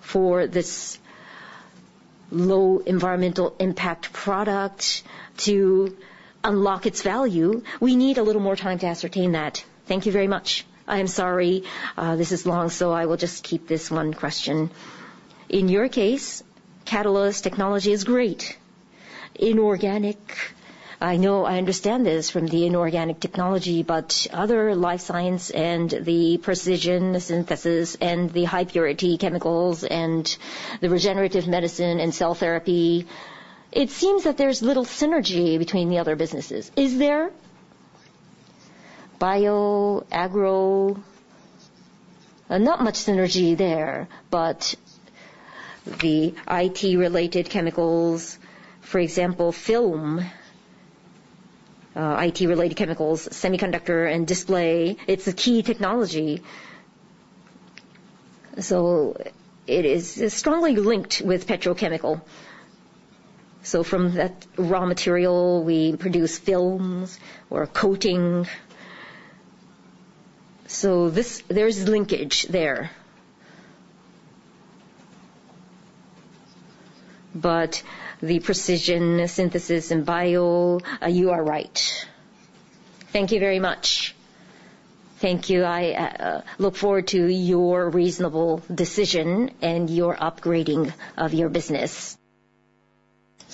for this low environmental impact product to unlock its value? We need a little more time to ascertain that. Thank you very much. I am sorry. This is long, so I will just keep this one question. In your case, catalyst technology is great. Inorganic, I know I understand this from the inorganic technology, but other life science and the precision synthesis and the high-purity chemicals and the regenerative medicine and cell therapy, it seems that there's little synergy between the other businesses. Is there bioagro? Not much synergy there, but the IT-related Chemicals, for example, film, IT-related Chemicals, semiconductor and display, it's a key technology. It is strongly linked with petrochemical. From that raw material, we produce films or coating. So there's linkage there. But the precision synthesis and bio, you are right. Thank you very much. Thank you. I look forward to your reasonable decision and your upgrading of your business.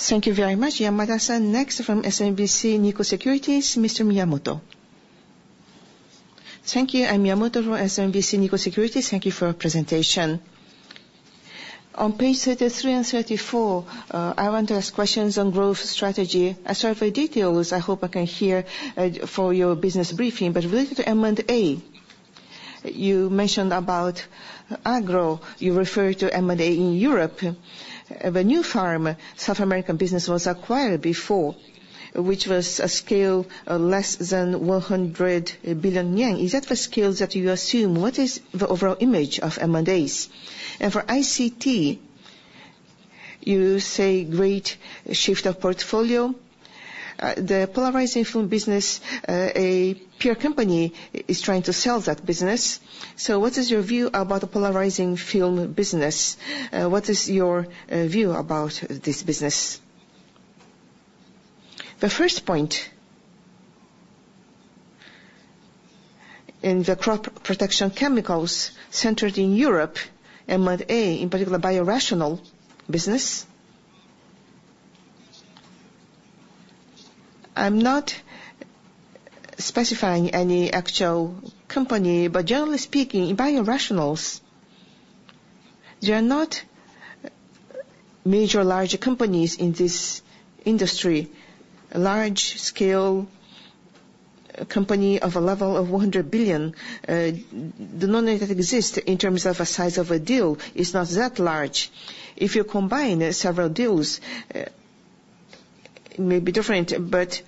Thank you very much, Yamada-san. Next from SMBC Nikko Securities, Mr. Miyamoto. Thank you. I'm Miyamoto from SMBC Nikko Securities. Thank you for your presentation. On page 33 and 34, I want to ask questions on growth strategy. As for the details, I hope I can hear for your business briefing, but related to M&A, you mentioned about agro. You referred to M&A in Europe. The new Pharma, South American business was acquired before, which was a scale of less than 100 billion yen. Is that the scale that you assume? What is the overall image of M&As? And for ICT, you say great shift of portfolio. The polarizing film business, a peer company is trying to sell that business. So what is your view about the polarizing film business? What is your view about this business? The first point. In the crop protection chemicals centered in Europe, M&A, in particular biorational business. I'm not specifying any actual company, but generally speaking, in biorationals, there are not major large companies in this industry. Large scale company of a level of 100 billion, they do not exist in terms of a size of a deal is not that large. If you combine several deals, it may be different, but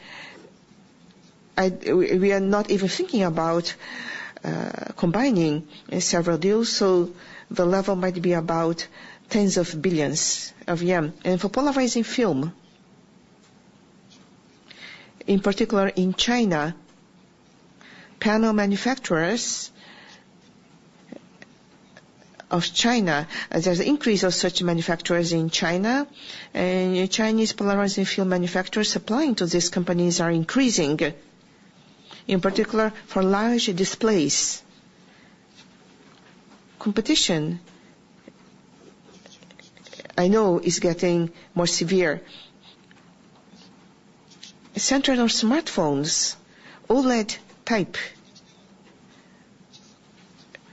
we are not even thinking about combining several deals. So the level might be about tens of billions of JPY. And for polarizing film, in particular in China, panel manufacturers of China, there's an increase of such manufacturers in China. Chinese polarizing film manufacturers supplying to these companies are increasing, in particular for large displays. Competition, I know, is getting more severe. Centered on smartphones, OLED type,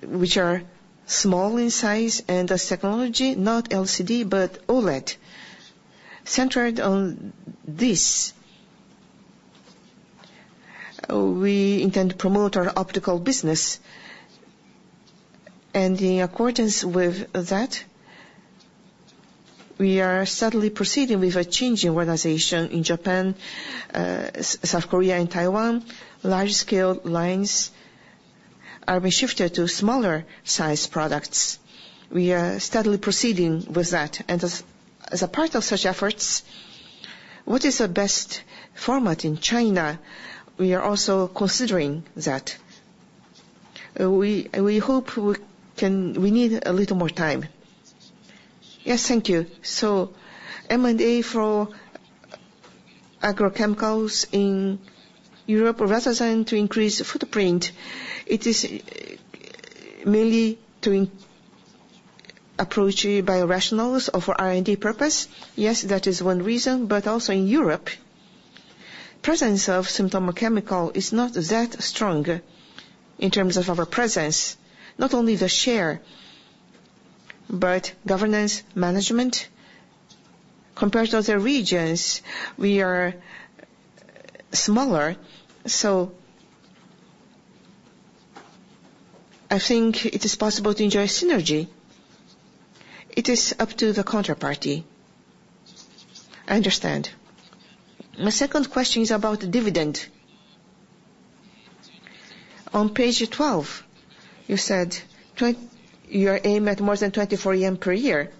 which are small in size and the technology, not LCD, but OLED. Centered on this, we intend to promote our optical business. In accordance with that, we are suddenly proceeding with a change in organization in Japan, South Korea, and Taiwan. Large scale lines have been shifted to smaller size products. We are steadily proceeding with that. As a part of such efforts, what is the best format in China? We are also considering that. We hope we need a little more time. Yes, thank you. M&A for agrochemicals in Europe, rather than to increase footprint, it is mainly to approach biorationals or for R&D purpose. Yes, that is one reason, but also in Europe, presence of Sumitomo Chemical is not that strong in terms of our presence, not only the share, but governance management. Compared to other regions, we are smaller. So I think it is possible to enjoy synergy. It is up to the counterparty. I understand. My second question is about the dividend. On page 12, you said your aim at more than 24 yen per year.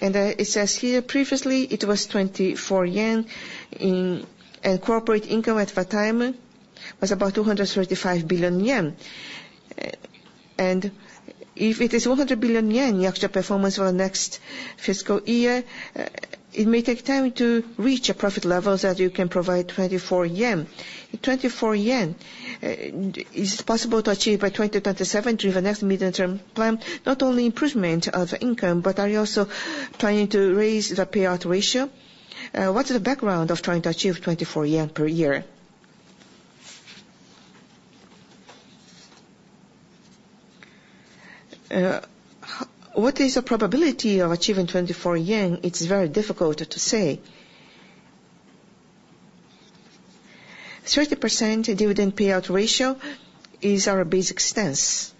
And it says here previously it was 24 yen, and corporate income at that time was about 235 billion yen. And if it is 100 billion yen, you have to have performance for the next fiscal year. It may take time to reach a profit level that you can provide 24 yen. 24 yen. Is it possible to achieve by 2027 to have a next medium-term plan? Not only improvement of income, but are you also trying to raise the payout ratio? What's the background of trying to achieve ¥24 per year? What is the probability of achieving ¥24? It's very difficult to say. 30% dividend payout ratio is our basic stance.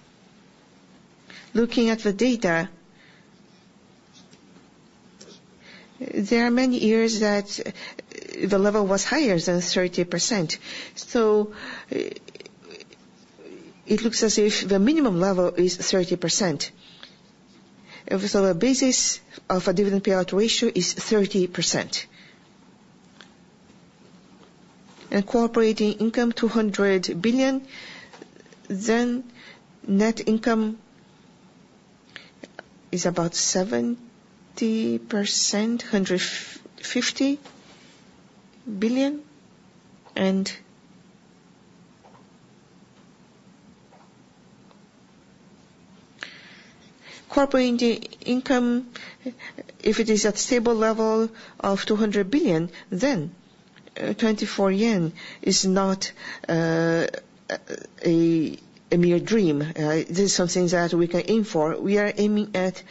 Looking at the data, there are many years that the level was higher than 30%. So it looks as if the minimum level is 30%. So the basis of a dividend payout ratio is 30%. And core operating income 200 billion, then net income is about 70%, 150 billion. And core operating income, if it is at a stable level of 200 billion, then ¥24 is not a mere dream. This is something that we can aim for. We are aiming at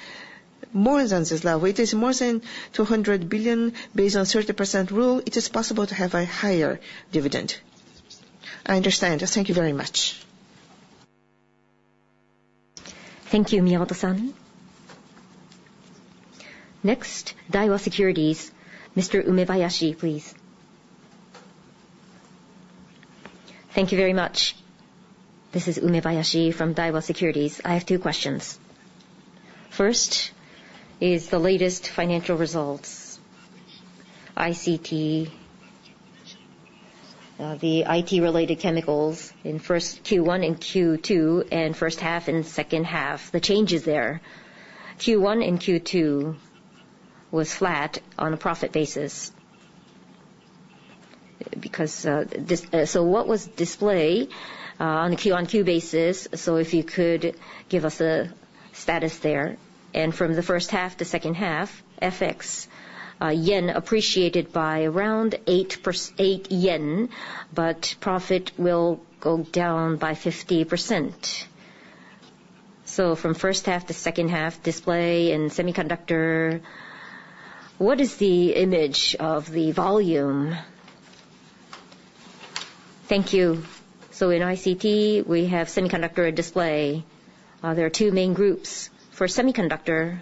more than this level. It is more than 200 billion based on 30% rule. It is possible to have a higher dividend. I understand. Thank you very much. Thank you, Miyamoto-san. Next, Daiwa Securities. Mr. Umebayashi, please. Thank you very much. This is Umebayashi from Daiwa Securities. I have two questions. First is the latest financial results, ICT, the IT-related Chemicals in first Q1 and Q2 and first half and second half. The changes there. Q1 and Q2 was flat on a profit basis. So what was displayed on a Q-on-Q basis? So if you could give us the status there. And from the first half to second half, FX, yen appreciated by around ¥8, but profit will go down by 50%. So from first half to second half, display and semiconductor, what is the image of the volume? Thank you. In ICT, we have semiconductor and display. There are two main groups. For semiconductor,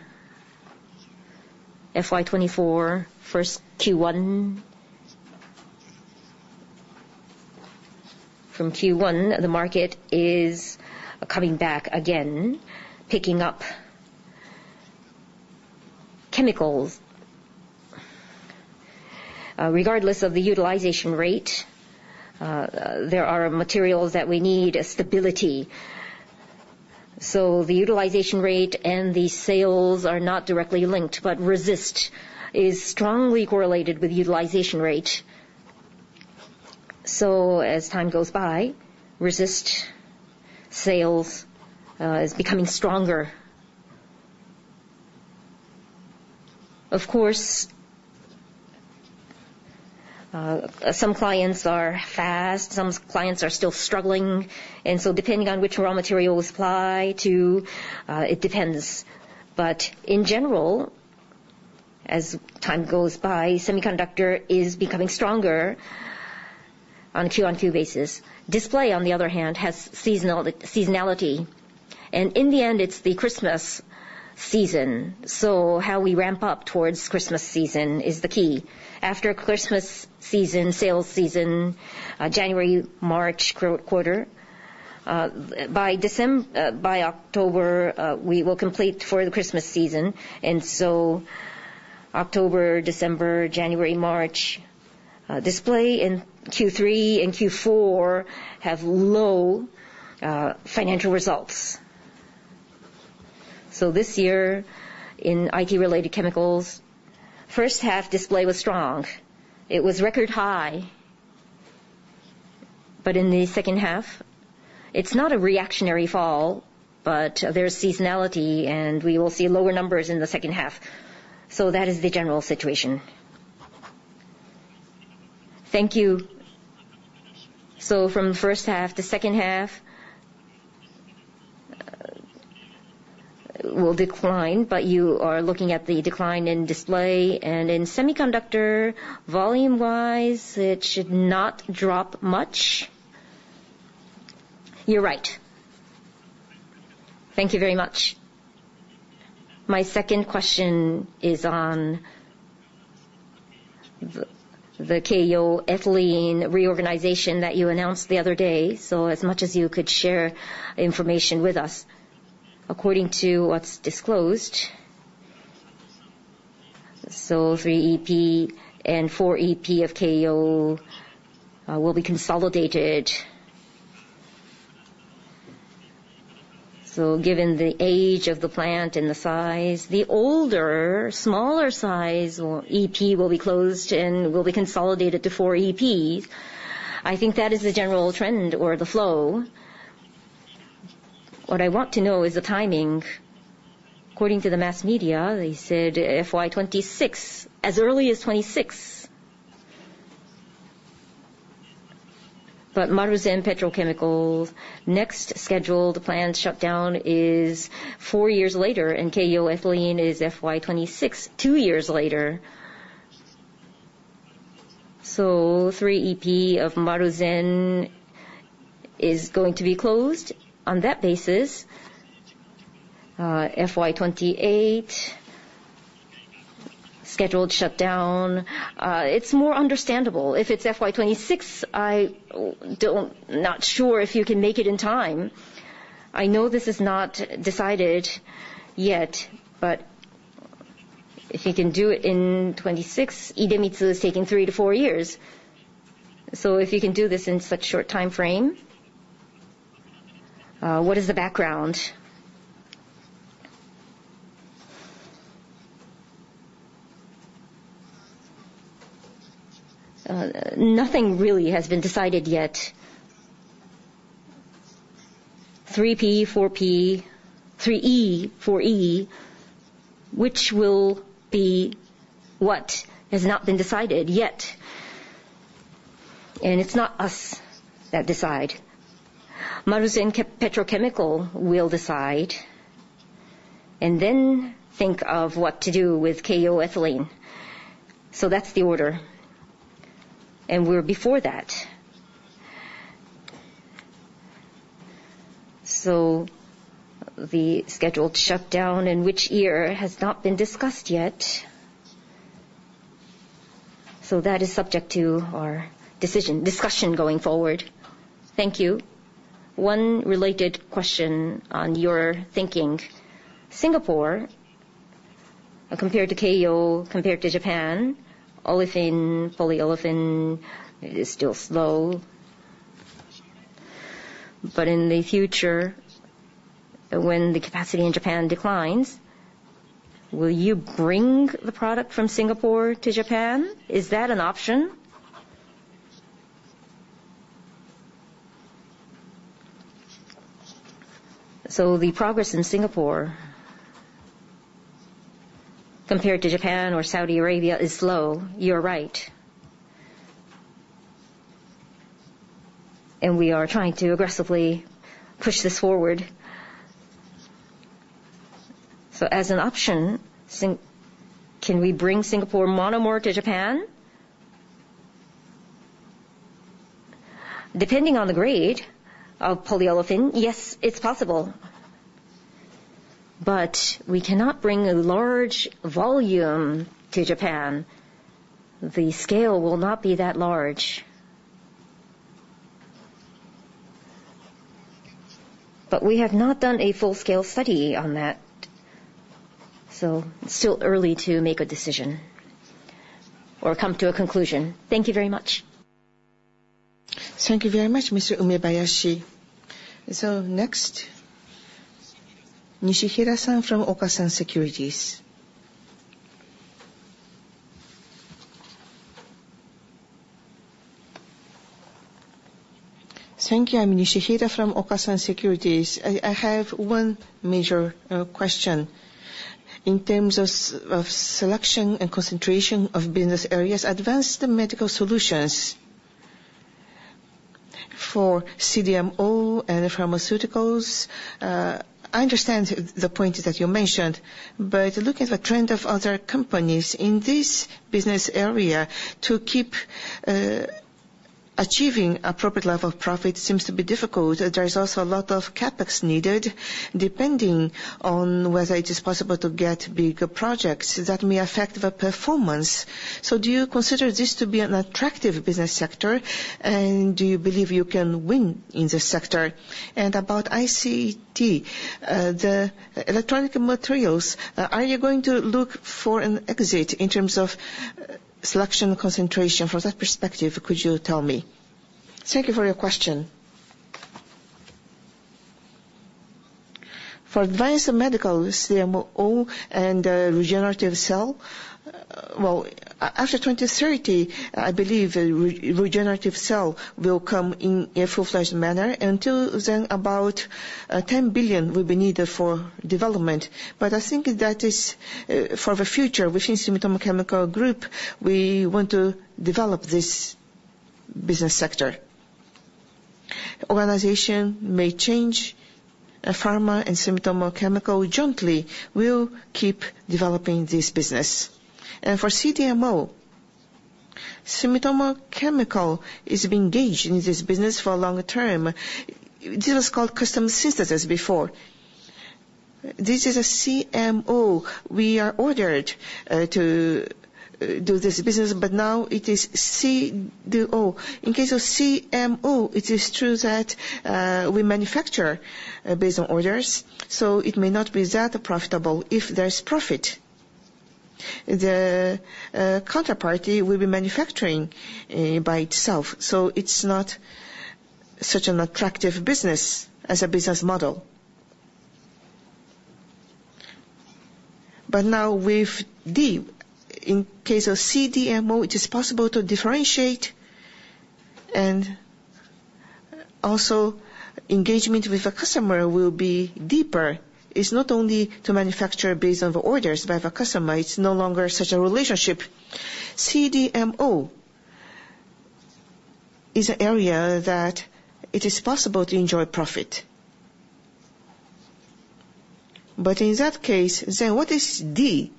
FY 24, first Q1. From Q1, the market is coming back again, picking up chemicals. Regardless of the utilization rate, there are materials that we need stability. So the utilization rate and the sales are not directly linked, but resist is strongly correlated with utilization rate. So as time goes by, resist sales is becoming stronger. Of course, some clients are fast, some clients are still struggling. And so depending on which raw material we supply to, it depends. But in general, as time goes by, semiconductor is becoming stronger on a QoQ basis. Display, on the other hand, has seasonality. And in the end, it's the Christmas season. So how we ramp up towards Christmas season is the key. After Christmas season, sales season, January-March quarter, by October, we will complete for the Christmas season. And so October, December, January, March, display in Q3 and Q4 have low financial results. So this year in IT-related Chemicals, first half display was strong. It was record high, but in the second half, it's not a reactionary fall, but there's seasonality and we will see lower numbers in the second half. So that is the general situation. Thank you. So from the first half to second half, will decline, but you are looking at the decline in display. And in semiconductor, volume-wise, it should not drop much. You're right. Thank you very much. My second question is on the Keiyo Ethylene reorganization that you announced the other day. So as much as you could share information with us, according to what's disclosed, so 3EP and 4EP of Keiyo will be consolidated. So given the age of the plant and the size, the older, smaller size EP will be closed and will be consolidated to 4EP. I think that is the general trend or the flow. What I want to know is the timing. According to the mass media, they said FY 26, as early as 26, but Maruzen Petrochemical's next scheduled planned shutdown is four years later, and Keiyo Ethylene is FY 26, two years later. So 3EP of Maruzen is going to be closed on that basis, FY 28 scheduled shutdown. It's more understandable. If it's FY 26, I'm not sure if you can make it in time. I know this is not decided yet, but if you can do it in 26, Idemitsu is taking three-to-four years. If you can do this in such short time frame, what is the background? Nothing really has been decided yet, 3EP, 4EP, which will be what has not been decided yet, it's not us that decide. Maruzen Petrochemical will decide, and then think of what to do with Keiyo Ethylene, that's the order, we're before that. So the scheduled shutdown in which year has not been discussed yet. So that is subject to our decision, discussion going forward. Thank you. One related question on your thinking. Singapore, compared to Keiyo, compared to Japan, olefin, polyolefin, it is still slow. But in the future, when the capacity in Japan declines, will you bring the product from Singapore to Japan? Is that an option? So the progress in Singapore, compared to Japan or Saudi Arabia, is slow. You're right. And we are trying to aggressively push this forward. So as an option, can we bring Singapore monomer to Japan? Depending on the grade of polyolefin, yes, it's possible. But we cannot bring a large volume to Japan. The scale will not be that large. But we have not done a full-scale study on that. So it's still early to make a decision or come to a conclusion. Thank you very much. Thank you very much, Mr. Umebayashi. So next, Nishihira-san from Okasan Securities. Thank you. I'm Nishihira from Okasan Securities. I have one major question. In terms of selection and concentration of business areas, Advanced Medical Solutions for CDMO and Pharmaceuticals, I understand the point that you mentioned, but looking at the trend of other companies in this business area, to keep achieving appropriate level of profit seems to be difficult. There is also a lot of CapEx needed, depending on whether it is possible to get bigger projects that may affect the performance. So do you consider this to be an attractive business sector, and do you believe you can win in this sector? And about ICT, the electronic materials, are you going to look for an exit in terms of selection and concentration? From that perspective, could you tell me? Thank you for your question. For advanced medical, CDMO and regenerative cell. Well, after 2030, I believe regenerative cell will come in a full-fledged manner. Until then, about 10 billion will be needed for development. But I think that is for the future. Within Sumitomo Chemical Group, we want to develop this business sector. Organization may change. Pharma and Sumitomo Chemical jointly. We'll keep developing this business. And for CDMO, Sumitomo Chemical is being engaged in this business for a longer term. This was called custom synthesis before. This is a CMO. We are ordered to do this business, but now it is CDMO. In case of CMO, it is true that we manufacture based on orders. So it may not be that profitable if there's profit. The counterparty will be manufacturing by itself. So it's not such an attractive business as a business model. But now with D, in case of CDMO, it is possible to differentiate, and also engagement with the customer will be deeper. It's not only to manufacture based on the orders by the customer. It's no longer such a relationship. CDMO is an area that it is possible to enjoy profit. But in that case, then what is D?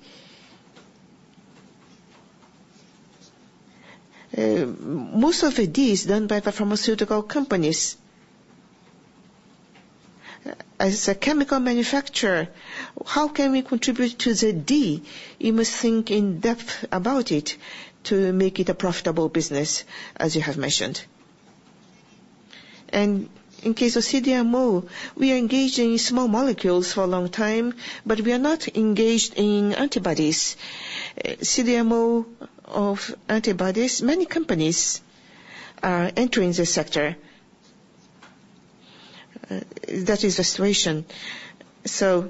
Most of the D is done by the pharmaceutical companies. As a chemical manufacturer, how can we contribute to the D? You must think in depth about it to make it a profitable business, as you have mentioned. And in case of CDMO, we are engaged in small molecules for a long time, but we are not engaged in antibodies. CDMO of antibodies, many companies are entering the sector. That is the situation. So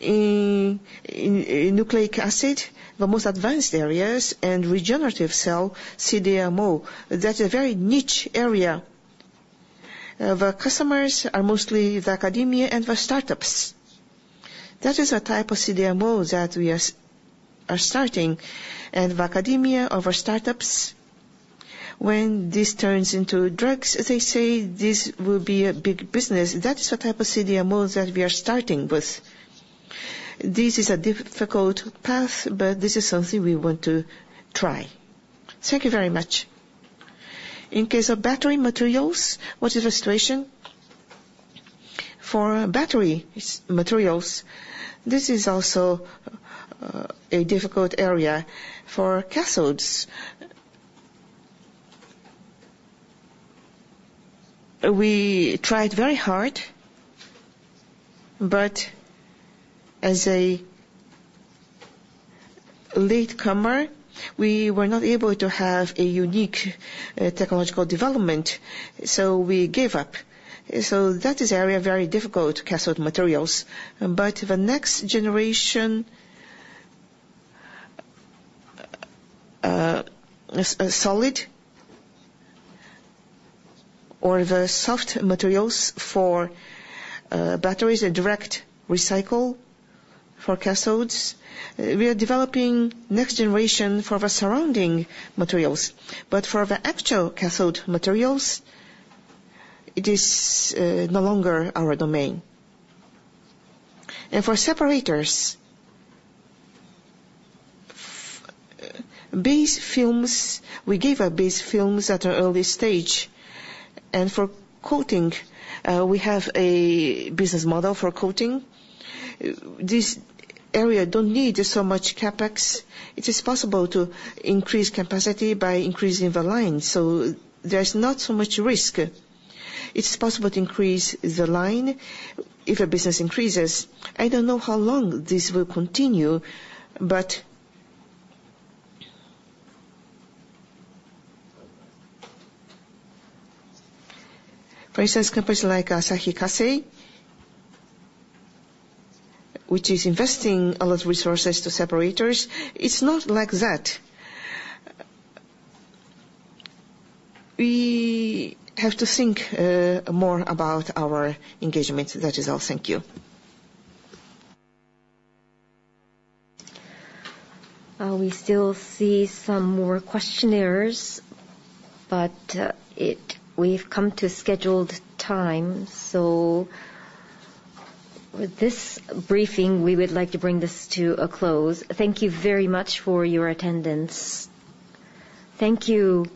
nucleic acid, the most advanced areas, and regenerative cell, CDMO, that is a very niche area. The customers are mostly the academia and the startups. That is a type of CDMO that we are starting, and the academia of our startups, when this turns into drugs, as they say, this will be a big business. That is the type of CDMO that we are starting with. This is a difficult path, but this is something we want to try. Thank you very much. In case of battery materials, what is the situation? For battery materials, this is also a difficult area. For cathodes, we tried very hard, but as a latecomer, we were not able to have a unique technological development. So we gave up, so that is an area very difficult, cathode materials, but the next generation, solid or the soft materials for batteries and direct recycle for cathodes, we are developing next generation for the surrounding materials. But for the actual cathode materials, it is no longer our domain. And for separators, base films, we gave up base films at an early stage. And for coating, we have a business model for coating. This area doesn't need so much CapEx. It is possible to increase capacity by increasing the line. So there's not so much risk. It's possible to increase the line if a business increases. I don't know how long this will continue, but for instance, companies like Asahi Kasei, which is investing a lot of resources to separators, it's not like that. We have to think more about our engagement. That is all. Thank you. We still see some more questionnaires, but we've come to scheduled time. So with this briefing, we would like to bring this to a close. Thank you very much for your attendance. Thank you.